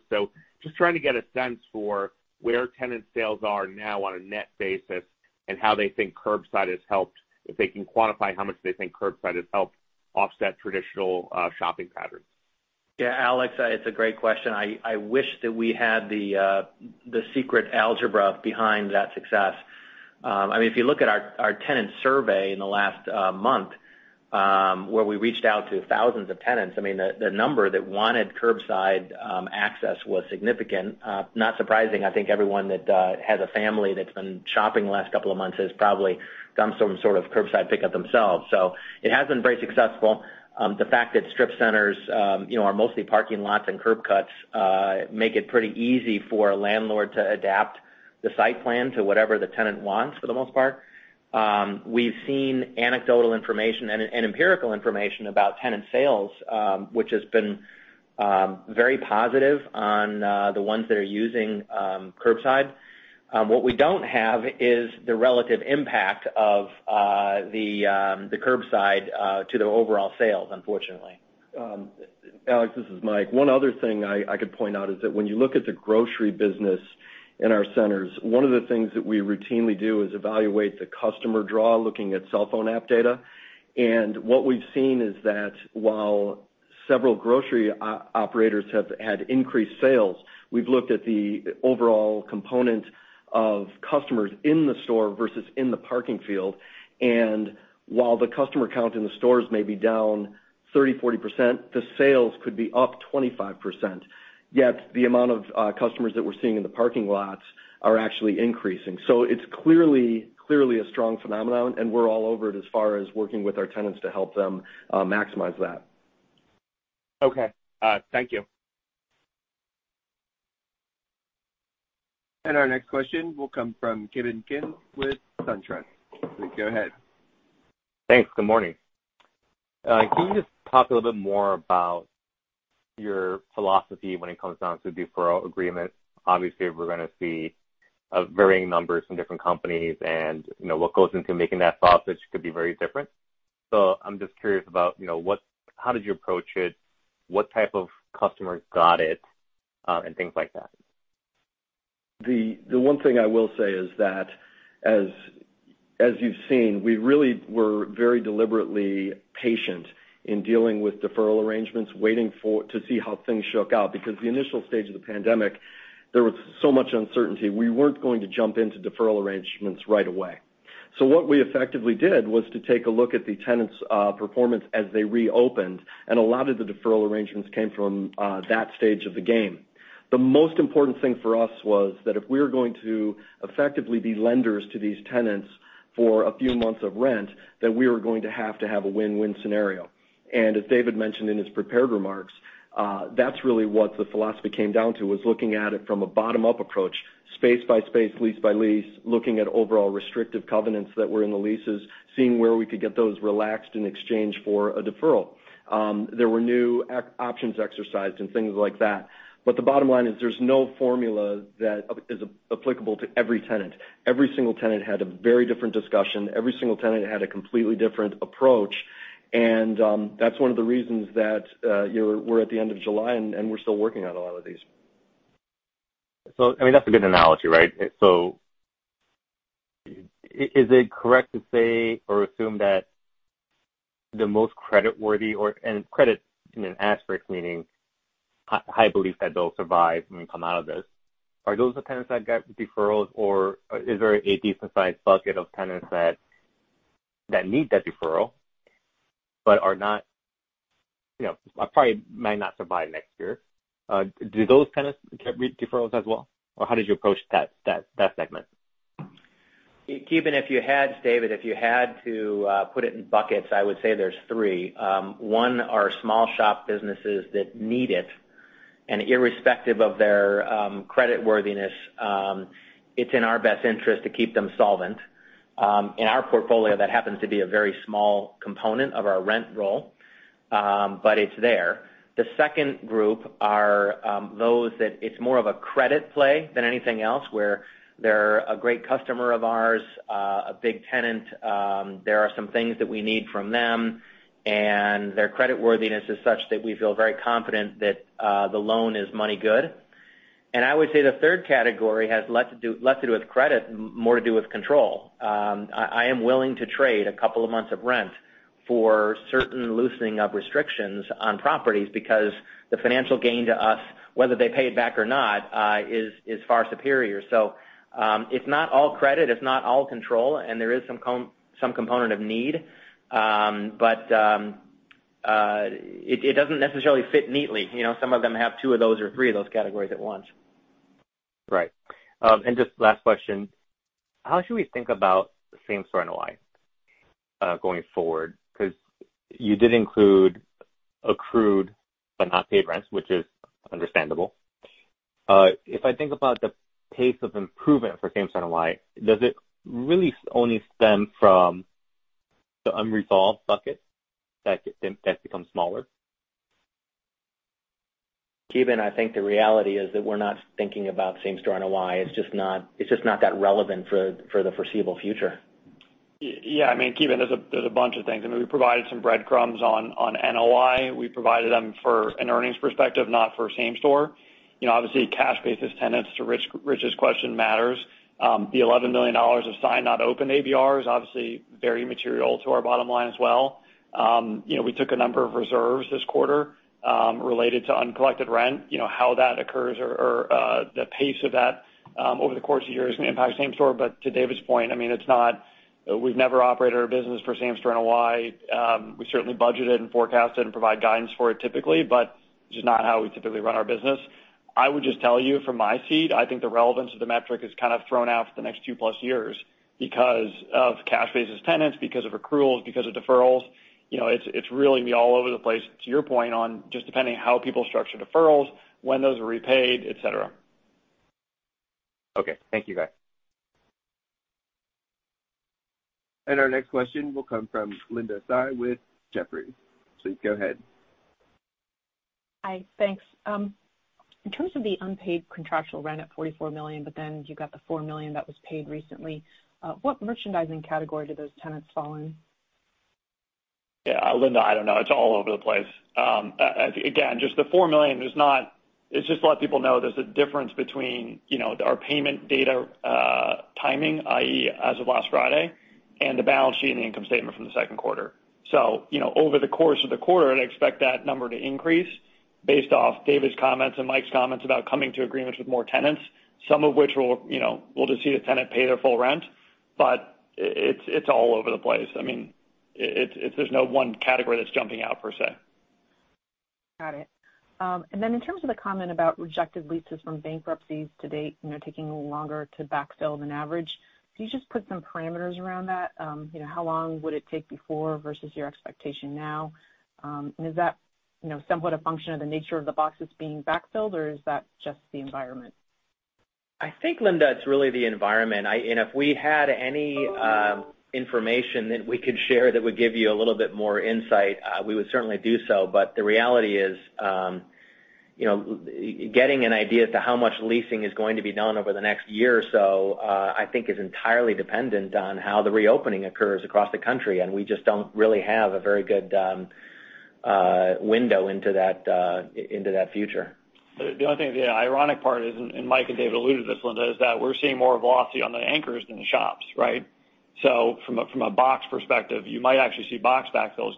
Just trying to get a sense for where tenant sales are now on a net basis and how they think curbside has helped, if they can quantify how much they think curbside has helped offset traditional shopping patterns. Yeah, Alex, it's a great question. I wish that we had the secret algebra behind that success. If you look at our tenant survey in the last month, where we reached out to thousands of tenants, the number that wanted curbside access was significant. Not surprising. I think everyone that has a family that's been shopping the last couple of months has probably done some sort of curbside pickup themselves. It has been very successful. The fact that SITE Centers are mostly parking lots and curb cuts make it pretty easy for a landlord to adapt the site plan to whatever the tenant wants, for the most part. We've seen anecdotal information and empirical information about tenant sales, which has been very positive on the ones that are using curbside. What we don't have is the relative impact of the curbside to their overall sales, unfortunately. Alex, this is Mike. One other thing I could point out is that when you look at the grocery business. In our centers, one of the things that we routinely do is evaluate the customer draw, looking at cell phone app data. What we've seen is that while several grocery operators have had increased sales, we've looked at the overall component of customers in the store versus in the parking field. While the customer count in the stores may be down 30%, 40%, the sales could be up 25%. Yet the amount of customers that we're seeing in the parking lots are actually increasing. It's clearly a strong phenomenon, and we're all over it as far as working with our tenants to help them maximize that. Okay. Thank you. Our next question will come from Ki Bin Kim with SunTrust. Please go ahead. Thanks. Good morning. Can you just talk a little bit more about your philosophy when it comes down to deferral agreements? Obviously, we're going to see varying numbers from different companies, and what goes into making that sausage could be very different. I'm just curious about how did you approach it, what type of customer got it, and things like that. The one thing I will say is that as you've seen, we really were very deliberately patient in dealing with deferral arrangements, waiting to see how things shook out, because the initial stage of the pandemic, there was so much uncertainty. We weren't going to jump into deferral arrangements right away. What we effectively did was to take a look at the tenants' performance as they reopened, and a lot of the deferral arrangements came from that stage of the game. The most important thing for us was that if we were going to effectively be lenders to these tenants for a few months of rent, that we were going to have to have a win-win scenario. As David mentioned in his prepared remarks, that's really what the philosophy came down to, was looking at it from a bottom-up approach, space-by-space, lease-by-lease, looking at overall restrictive covenants that were in the leases, seeing where we could get those relaxed in exchange for a deferral. There were new options exercised and things like that, but the bottom line is there's no formula that is applicable to every tenant. Every single tenant had a very different discussion. Every single tenant had a completely different approach, and that's one of the reasons that we're at the end of July, and we're still working on a lot of these. That's a good analogy, right? Is it correct to say or assume that the most creditworthy, and credit in an asterisk, meaning high belief that they'll survive and come out of this, are those the tenants that got deferrals, or is there a decent-sized bucket of tenants that need that deferral but probably might not survive next year? Do those tenants get deferrals as well, or how did you approach that segment? Ki Bin, if you had, David, if you had to put it in buckets, I would say there's three. One are small shop businesses that need it. Irrespective of their creditworthiness, it's in our best interest to keep them solvent. In our portfolio, that happens to be a very small component of our rent roll. It's there. The second group are those that it's more of a credit play than anything else, where they're a great customer of ours, a big tenant. There are some things that we need from them. Their creditworthiness is such that we feel very confident that the loan is money good. I would say the third category has less to do with credit, more to do with control. I am willing to trade a couple of months of rent for certain loosening of restrictions on properties because the financial gain to us, whether they pay it back or not, is far superior. It's not all credit, it's not all control, and there is some component of need. It doesn't necessarily fit neatly. Some of them have two of those or three of those categories at once. Right. Just last question, how should we think about same-store NOI going forward? You did include accrued but not paid rents, which is understandable. If I think about the pace of improvement for same-store NOI, does it really only stem from the unresolved bucket that becomes smaller? Ki Bin, I think the reality is that we're not thinking about same-store NOI. It's just not that relevant for the foreseeable future. Yeah. Ki Bin, there's a bunch of things. We provided some breadcrumbs on NOI. We provided them for an earnings perspective, not for same-store. Obviously, cash-basis tenants to Rich's question matters. The $11 million of sign, not open ABR is obviously very material to our bottom line as well. We took a number of reserves this quarter related to uncollected rent. How that occurs or the pace of that over the course of the year is going to impact same-store. To David's point, we've never operated our business for same-store NOI. We certainly budget it and forecast it and provide guidance for it typically, it's just not how we typically run our business. I would just tell you from my seat, I think the relevance of the metric is kind of thrown out for the next two-plus years because of cash basis tenants, because of accruals, because of deferrals. It's really going to be all over the place, to your point on just depending how people structure deferrals, when those are repaid, etc. Okay. Thank you, guys. Our next question will come from Linda Tsai with Jefferies. Please go ahead. Hi. Thanks. In terms of the unpaid contractual rent at $44 million, but then you got the $4 million that was paid recently, what merchandising category do those tenants fall in? Yeah. Linda, I don't know. It's all over the place. Just the $4 million, it's just to let people know there's a difference between our payment data timing, i.e., as of last Friday, and the balance sheet and the income statement from the second quarter. Over the course of the quarter, I'd expect that number to increase based off David's comments and Mike's comments about coming to agreements with more tenants, some of which we'll just see the tenant pay their full rent. It's all over the place. There's no one category that's jumping out per se. Got it. Then in terms of the comment about rejected leases from bankruptcies to date taking a little longer to backfill than average, can you just put some parameters around that? How long would it take before versus your expectation now? Is that somewhat a function of the nature of the boxes being backfilled, or is that just the environment? I think, Linda, it's really the environment. If we had any information that we could share that would give you a little bit more insight, we would certainly do so. The reality is, getting an idea as to how much leasing is going to be done over the next year or so, I think is entirely dependent on how the reopening occurs across the country, and we just don't really have a very good window into that future. The only thing, the ironic part is, Mike and David alluded to this, Linda, is that we're seeing more velocity on the anchors than the shops, right? From a box perspective, you might actually see box backfills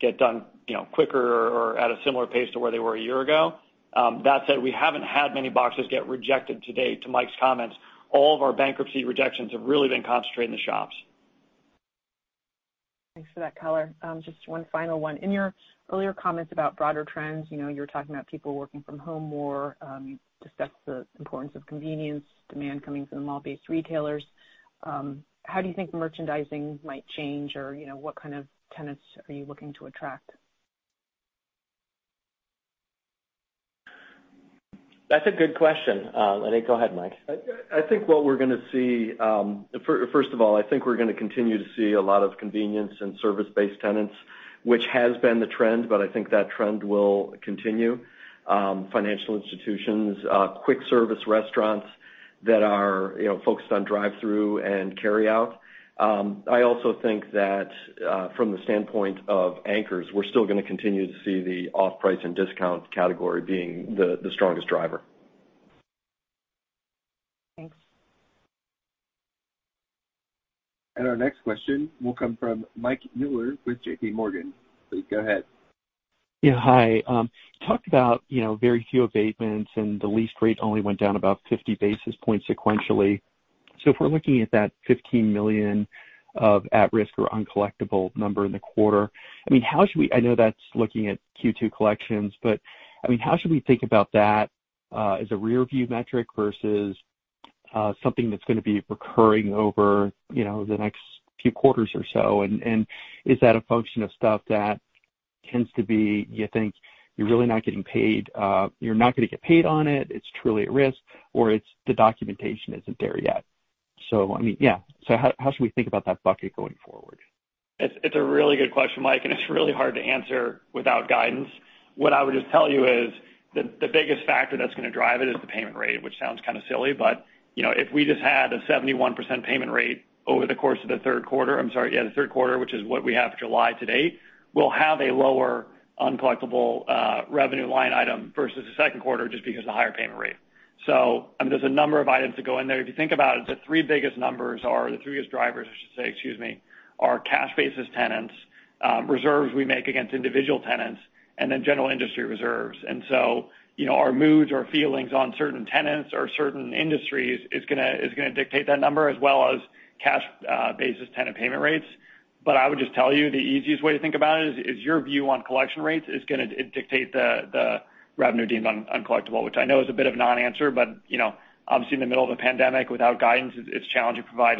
get done quicker or at a similar pace to where they were a year ago. That said, we haven't had many boxes get rejected to date, to Mike's comments. All of our bankruptcy rejections have really been concentrated in the shops. Thanks for that color. Just one final one. In your earlier comments about broader trends, you were talking about people working from home more. You discussed the importance of convenience, demand coming from the mall-based retailers. How do you think merchandising might change or what kind of tenants are you looking to attract? That's a good question. Go ahead, Mike. First of all, I think we're going to continue to see a lot of convenience and service-based tenants, which has been the trend, but I think that trend will continue. Financial institutions, quick service restaurants that are focused on drive-through and carryout. I also think that from the standpoint of anchors, we're still going to continue to see the off-price and discount category being the strongest driver. Thanks. Our next question will come from Mike Mueller with JPMorgan. Please go ahead. Yeah. Hi. Talked about very few abatements and the lease rate only went down about 50 basis points sequentially. If we're looking at that $15 million of at-risk or uncollectible number in the quarter, I know that's looking at Q2 collections, but how should we think about that as a rear view metric versus something that's going to be recurring over the next few quarters or so? Is that a function of stuff that tends to be you think you're really not going to get paid on it's truly at risk, or it's the documentation isn't there yet? How should we think about that bucket going forward? It's a really good question, Mike, and it's really hard to answer without guidance. What I would just tell you is the biggest factor that's going to drive it is the payment rate, which sounds kind of silly, but if we just had a 71% payment rate over the course of the third quarter, which is what we have July to date, we'll have a lower uncollectible revenue line item versus the second quarter just because of the higher payment rate. There's a number of items that go in there. If you think about it, the three biggest numbers are, the three biggest drivers, I should say, excuse me, are cash basis tenants, reserves we make against individual tenants, and then general industry reserves. Our moods or feelings on certain tenants or certain industries is going to dictate that number as well as cash-basis tenant payment rates. I would just tell you, the easiest way to think about it is your view on collection rates is going to dictate the revenue deemed uncollectible, which I know is a bit of non-answer, but obviously in the middle of a pandemic without guidance, it's challenging to provide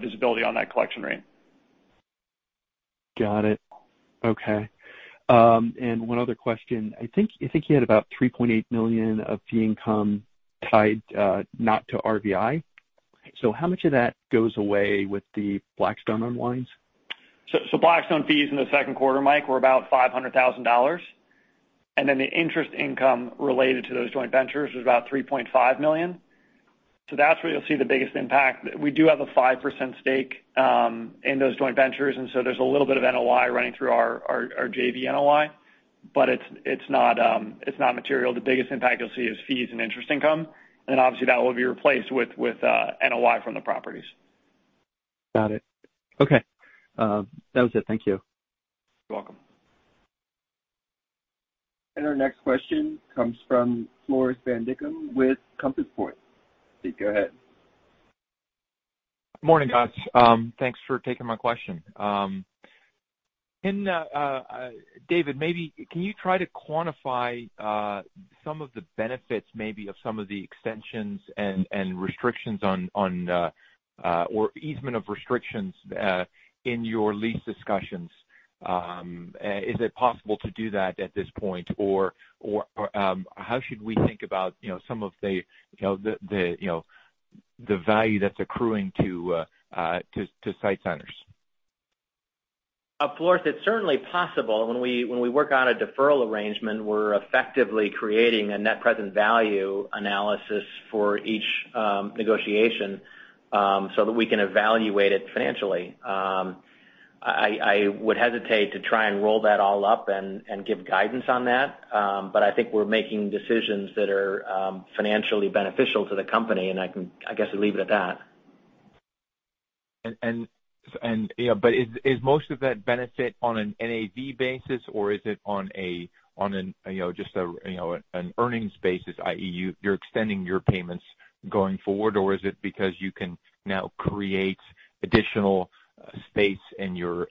visibility on that collection rate. Got it. Okay. One other question. I think you had about $3.8 million of fee income tied not to RVI. How much of that goes away with the Blackstone unwinds? Blackstone fees in the second quarter, Mike, were about $500,000. The interest income related to those joint ventures was about $3.5 million. That's where you'll see the biggest impact. We do have a 5% stake in those joint ventures, and so there's a little bit of NOI running through our JV NOI, but it's not material. The biggest impact you'll see is fees and interest income, and obviously that will be replaced with NOI from the properties. Got it. Okay. That was it. Thank you. You're welcome. Our next question comes from Floris van Dijkum with Compass Point. Please go ahead. Morning, guys. Thanks for taking my question. David, can you try to quantify some of the benefits maybe of some of the extensions and restrictions on or easement of restrictions in your lease discussions? Is it possible to do that at this point? How should we think about some of the value that's accruing to SITE Centers? Floris, it's certainly possible. When we work on a deferral arrangement, we're effectively creating a net present value analysis for each negotiation, so that we can evaluate it financially. I would hesitate to try and roll that all up and give guidance on that. I think we're making decisions that are financially beneficial to the company, and I guess I'll leave it at that. Is most of that benefit on an NAV basis or is it on just an earnings basis, i.e., you're extending your payments going forward, or is it because you can now create additional space at your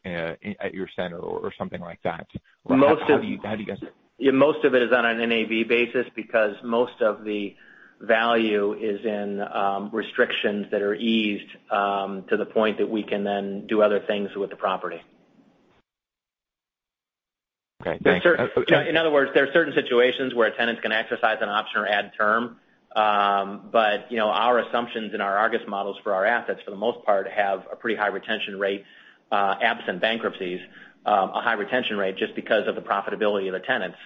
center or something like that? How do you guys. Most of it is on an NAV basis because most of the value is in restrictions that are eased to the point that we can then do other things with the property. Okay, thanks. In other words, there are certain situations where tenants can exercise an option or add term. Our assumptions and our ARGUS models for our assets, for the most part, have a pretty high retention rate, absent bankruptcies. A high retention rate just because of the profitability of the tenants,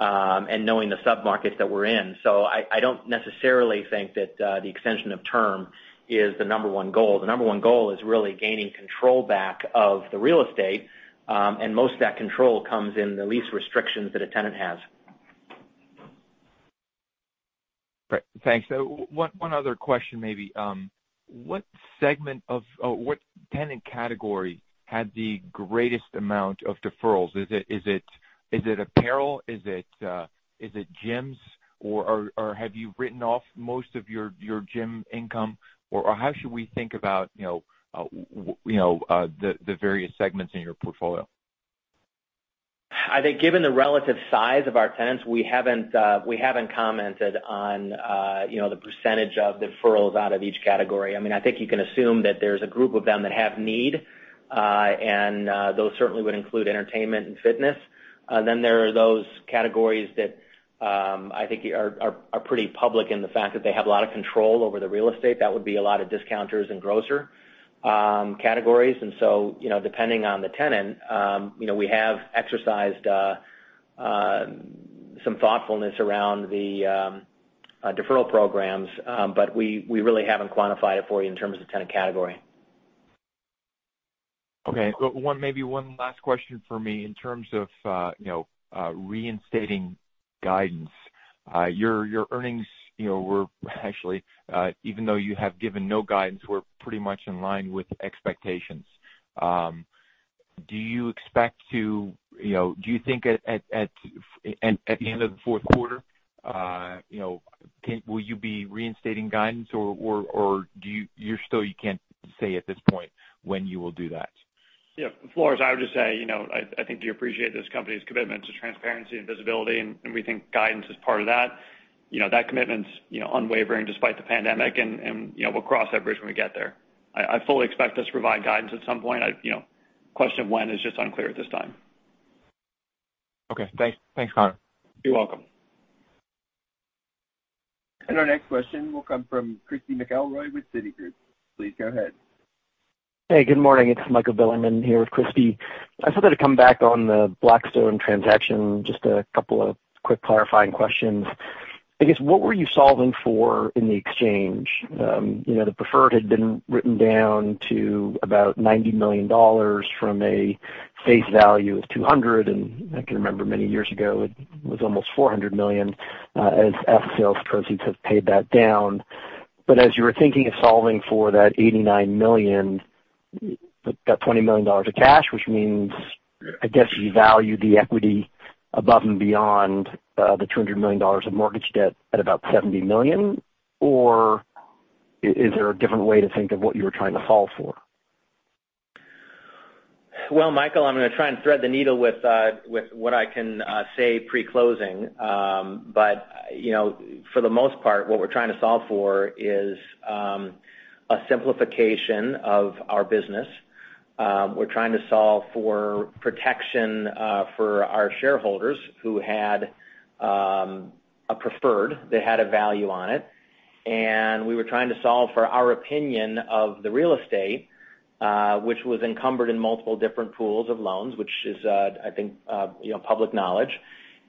and knowing the sub-markets that we're in. I don't necessarily think that the extension of term is the number one goal. The number one goal is really gaining control back of the real estate. Most of that control comes in the lease restrictions that a tenant has. Great, thanks. One other question maybe. What tenant category had the greatest amount of deferrals? Is it apparel? Is it gyms, or have you written off most of your gym income? How should we think about the various segments in your portfolio? I think given the relative size of our tenants, we haven't commented on the percentage of deferrals out of each category. I think you can assume that there's a group of them that have need, and those certainly would include entertainment and fitness. There are those categories that I think are pretty public in the fact that they have a lot of control over the real estate. That would be a lot of discounters and grocer categories. Depending on the tenant, we have exercised some thoughtfulness around the deferral programs. We really haven't quantified it for you in terms of tenant category. Maybe one last question from me. In terms of reinstating guidance, your earnings were actually, even though you have given no guidance, were pretty much in line with expectations. Do you think at the end of the fourth quarter, will you be reinstating guidance, or you still can't say at this point when you will do that? Floris, I would just say, I think you appreciate this company's commitment to transparency and visibility. We think guidance is part of that. That commitment's unwavering despite the pandemic. We'll cross that bridge when we get there. I fully expect us to provide guidance at some point. The question of when is just unclear at this time. Okay, thanks. Thanks, Conor. You're welcome. Our next question will come from Christy McElroy with Citigroup. Please go ahead. Hey, good morning. It's Michael Bilerman here with Christy. I just wanted to come back on the Blackstone transaction, just a couple of quick clarifying questions. What were you solving for in the exchange? The preferred had been written down to about $90 million from a face value of $200 million. I can remember many years ago, it was almost $400 million, as asset sales proceeds have paid that down. As you were thinking of solving for that $89 million, that $20 million of cash, which means I guess you value the equity above and beyond the $200 million of mortgage debt at about $70 million or is there a different way to think of what you were trying to solve for? Well, Michael, I'm going to try and thread the needle with what I can say pre-closing. For the most part, what we're trying to solve for is a simplification of our business. We're trying to solve for protection for our shareholders who had a preferred, they had a value on it. We were trying to solve for our opinion of the real estate, which was encumbered in multiple different pools of loans, which is, I think, public knowledge.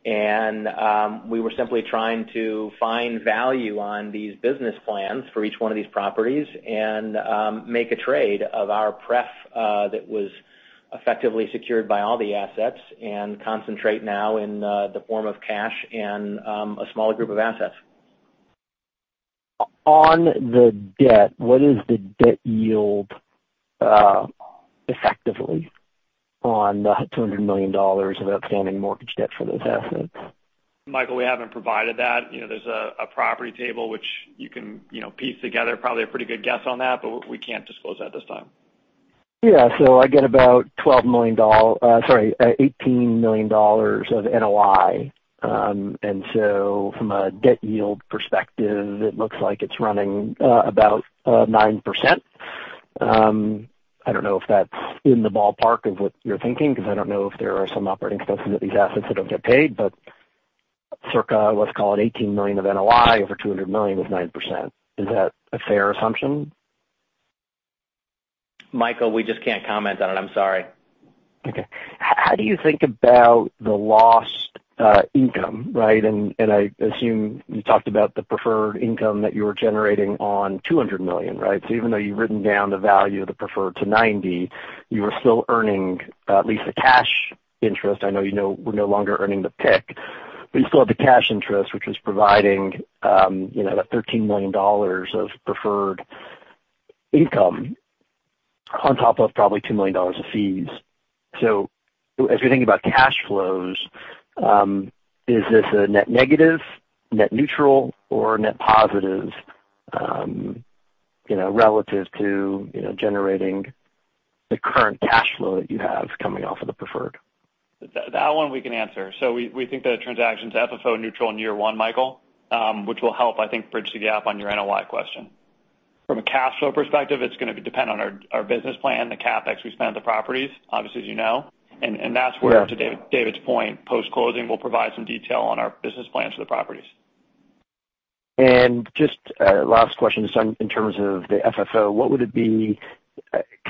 We were simply trying to find value on these business plans for each one of these properties and make a trade of our pref that was effectively secured by all the assets, and concentrate now in the form of cash and a smaller group of assets. On the debt, what is the debt yield, effectively, on the $200 million of outstanding mortgage debt for those assets? Michael, we haven't provided that. There's a property table which you can piece together probably a pretty good guess on that, but we can't disclose that at this time. Yeah. I get about $18 million of NOI. From a debt yield perspective, it looks like it's running about 9%. I don't know if that's in the ballpark of what you're thinking, because I don't know if there are some operating expenses at these assets that don't get paid, circa, let's call it $18 million of NOI over $200 million was 9%. Is that a fair assumption? Michael, we just can't comment on it. I'm sorry. Okay. How do you think about the lost income, right? I assume you talked about the preferred income that you were generating on $200 million, right? Even though you've written down the value of the preferred to $90, you are still earning at least the cash interest. I know you're no longer earning the PIK, but you still have the cash interest, which was providing that $13 million of preferred income on top of probably $2 million of fees. As you're thinking about cash flows, is this a net negative, net neutral, or net positive, relative to generating the current cash flow that you have coming off of the preferred? That one we can answer. We think the transaction's FFO neutral in year one, Michael, which will help, I think, bridge the gap on your NOI question. From a cash flow perspective, it's going to depend on our business plan, the CapEx we spend on the properties, obviously, as you know. Yeah. That's where, to David's point, post-closing, we'll provide some detail on our business plans for the properties. Just a last question. In terms of the FFO,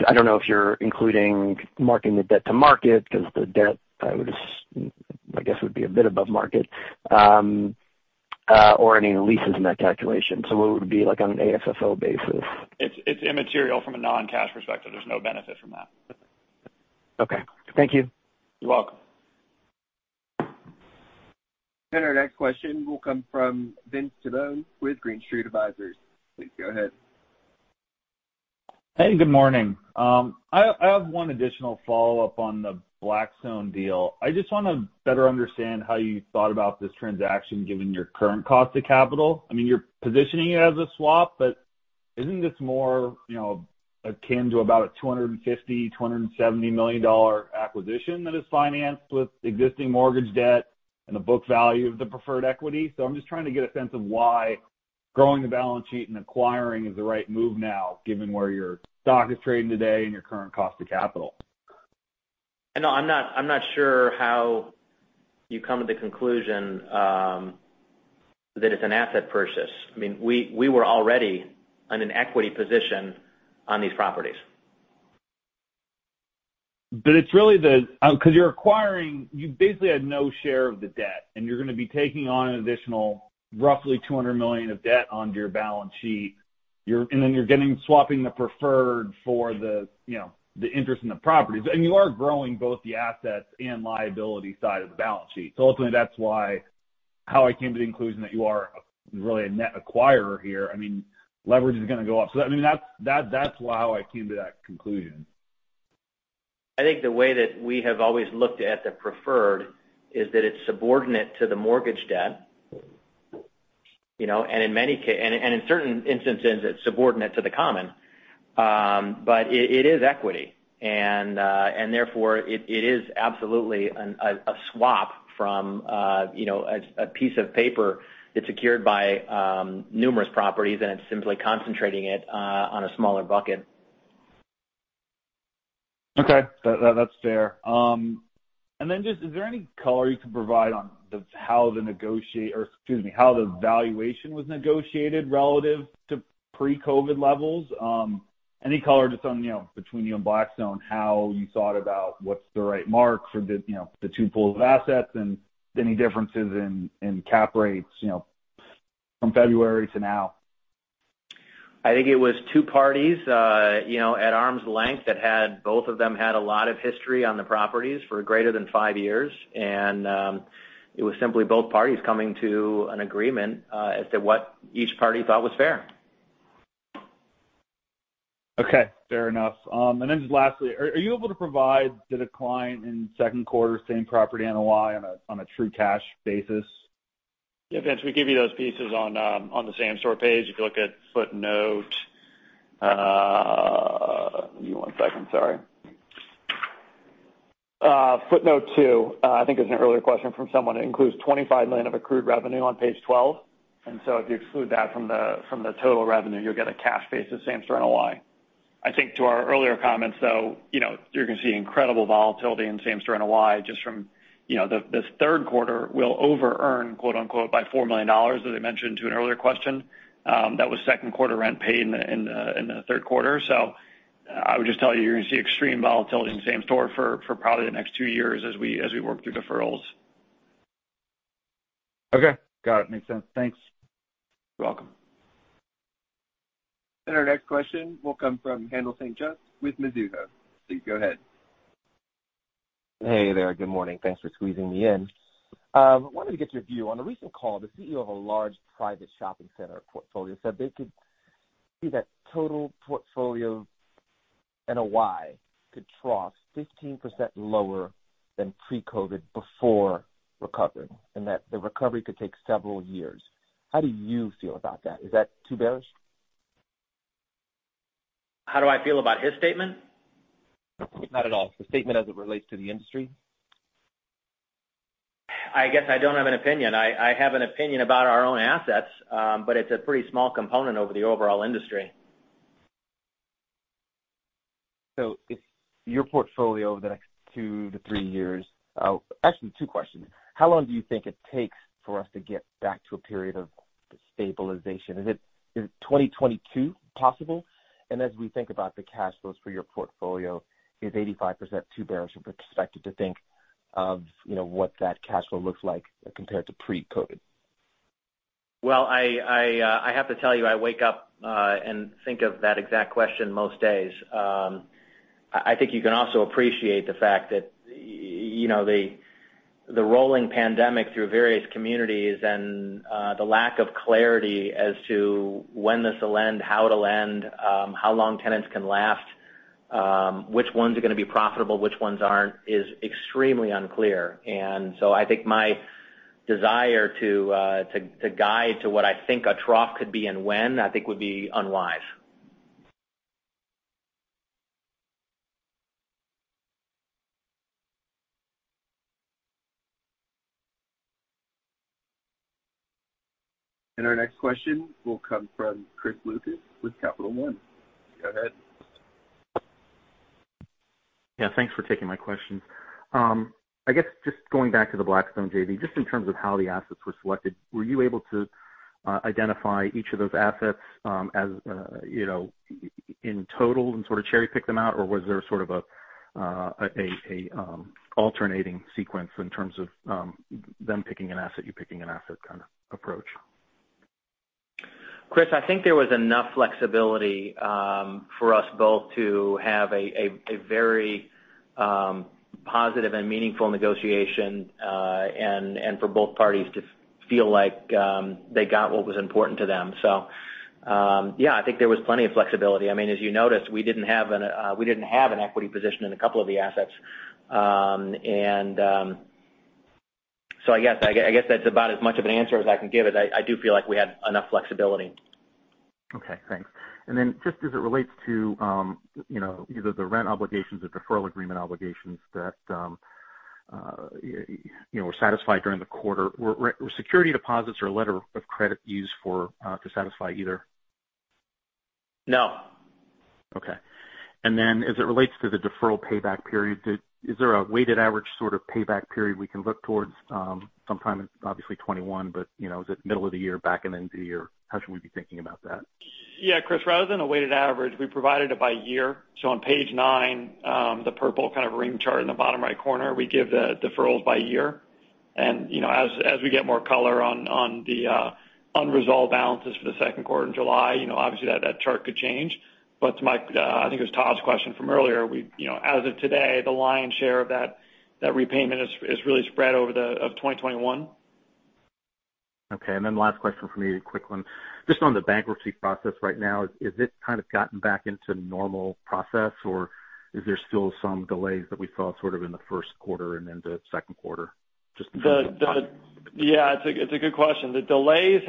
I don't know if you're including marking the debt-to-market, because the debt, I guess, would be a bit above market, or any leases in that calculation. What would it be like on an AFFO basis? It's immaterial from a non-cash perspective. There's no benefit from that. Okay. Thank you. You're welcome. Our next question will come from Vince Tibone with Green Street Advisors. Please go ahead. Hey, good morning. I have one additional follow-up on the Blackstone deal. I just want to better understand how you thought about this transaction, given your current cost of capital. I mean, you're positioning it as a swap, isn't this more akin to about a $250 million-$270 million acquisition that is financed with existing mortgage debt and the book value of the preferred equity? I'm just trying to get a sense of why growing the balance sheet and acquiring is the right move now, given where your stock is trading today and your current cost of capital. No, I'm not sure how you come to the conclusion that it's an asset purchase. We were already in an equity position on these properties. It's really the because you're acquiring you basically had no share of the debt, and you're going to be taking on an additional roughly $200 million of debt onto your balance sheet. Then you're swapping the preferred for the interest in the properties. You are growing both the assets and liability side of the balance sheet. Ultimately, that's how I came to the conclusion that you are really a net acquirer here. Leverage is going to go up. That's how I came to that conclusion. I think the way that we have always looked at the preferred is that it's subordinate to the mortgage debt, and in certain instances, it's subordinate to the common. It is equity, and therefore, it is absolutely a swap from a piece of paper that's secured by numerous properties, and it's simply concentrating it on a smaller bucket. Okay. That's fair. Then just, is there any color you can provide on how the valuation was negotiated relative to pre-COVID levels? Any color just on between you and Blackstone, how you thought about what's the right marks or the two pools of assets and any differences in cap rates from February to now? I think it was two parties at arm's length that both of them had a lot of history on the properties for greater than five years. It was simply both parties coming to an agreement as to what each party thought was fair. Okay. Fair enough. Then just lastly, are you able to provide the decline in second quarter same-property NOI on a true cash basis? Yeah, Vince, we give you those pieces on the same-store page. If you look at footnote two. Give me one second. Sorry. I think there was an earlier question from someone. It includes $25 million of accrued revenue on page 12. If you exclude that from the total revenue, you'll get a cash basis same-store NOI. I think to our earlier comments, though, you're going to see incredible volatility in same-store NOI just from this third quarter will over-earn quote, unquote, by $4 million, as I mentioned to an earlier question. That was second quarter rent paid in the third quarter. I would just tell you're going to see extreme volatility in the same-store for probably the next two years as we work through deferrals. Okay. Got it. Makes sense. Thanks. You're welcome. Our next question will come from Haendel St. Juste with Mizuho. Please go ahead. Hey there. Good morning. Thanks for squeezing me in. Wanted to get your view. On a recent call, the CEO of a large private shopping center portfolio said they could see that total portfolio NOI could trough 15% lower than pre-COVID before recovering, and that the recovery could take several years. How do you feel about that? Is that too bearish? How do I feel about his statement? Not at all. The statement as it relates to the industry. I guess I don't have an opinion. I have an opinion about our own assets. It's a pretty small component over the overall industry. Your portfolio over the next two to three years. Actually, two questions. How long do you think it takes for us to get back to a period of stabilization? Is 2022 possible? As we think about the cash flows for your portfolio, is 85% too bearish of a perspective to think of what that cash flow looks like compared to pre-COVID? Well, I have to tell you, I wake up and think of that exact question most days. I think you can also appreciate the fact that the rolling pandemic through various communities and the lack of clarity as to when this will end, how it'll end, how long tenants can last, which ones are going to be profitable, which ones aren't, is extremely unclear. I think my desire to guide to what I think a trough could be and when, I think, would be unwise. Our next question will come from Chris Lucas with Capital One. Go ahead. Yeah. Thanks for taking my questions. I guess just going back to the Blackstone JV, just in terms of how the assets were selected, were you able to identify each of those assets in total and sort of cherry-pick them out? Or was there sort of an alternating sequence in terms of them picking an asset, you picking an asset kind of approach? Chris, I think there was enough flexibility for us both to have a very positive and meaningful negotiation, and for both parties to feel like they got what was important to them. Yeah, I think there was plenty of flexibility. As you noticed, we didn't have an equity position in a couple of the assets. I guess that's about as much of an answer as I can give it. I do feel like we had enough flexibility. Okay, thanks. Just as it relates to either the rent obligations or deferral agreement obligations that were satisfied during the quarter. Were security deposits or a letter of credit used to satisfy either? No. Okay. As it relates to the deferral payback period, is there a weighted average sort of payback period we can look towards sometime in, obviously 2021, but is it middle of the year, back end of the year? How should we be thinking about that? Yeah, Chris, rather than a weighted average, we provided it by year. On page nine, the purple kind of ring chart in the bottom right corner, we give the deferrals by year. As we get more color on the unresolved balances for the second quarter in July, obviously that chart could change. To I think it was Todd's question from earlier, as of today, the lion's share of that repayment is really spread over 2021. Okay. Last question from me, a quick one. Just on the bankruptcy process right now, has it kind of gotten back into normal process, or are there still some delays that we saw sort of in the first quarter and into the second quarter? Yeah, it's a good question. The delays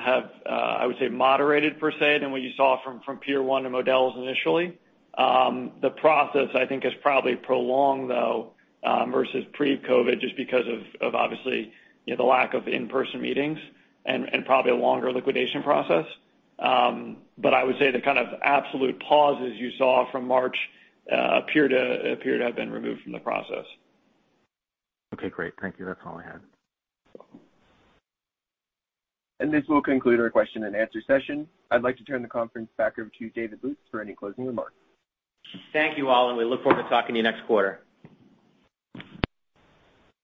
have, I would say, moderated per se than what you saw from Pier 1 and Modell's initially. The process, I think, is probably prolonged though versus pre-COVID just because of, obviously, the lack of in-person meetings and probably a longer liquidation process. I would say the kind of absolute pauses you saw from March appear to have been removed from the process. Okay, great. Thank you. That's all I had. This will conclude our question-and-answer session. I'd like to turn the conference back over to David Lukes for any closing remarks. Thank you all, and we look forward to talking to you next quarter.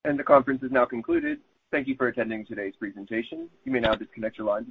The conference is now concluded. Thank you for attending today's presentation. You may now disconnect your lines.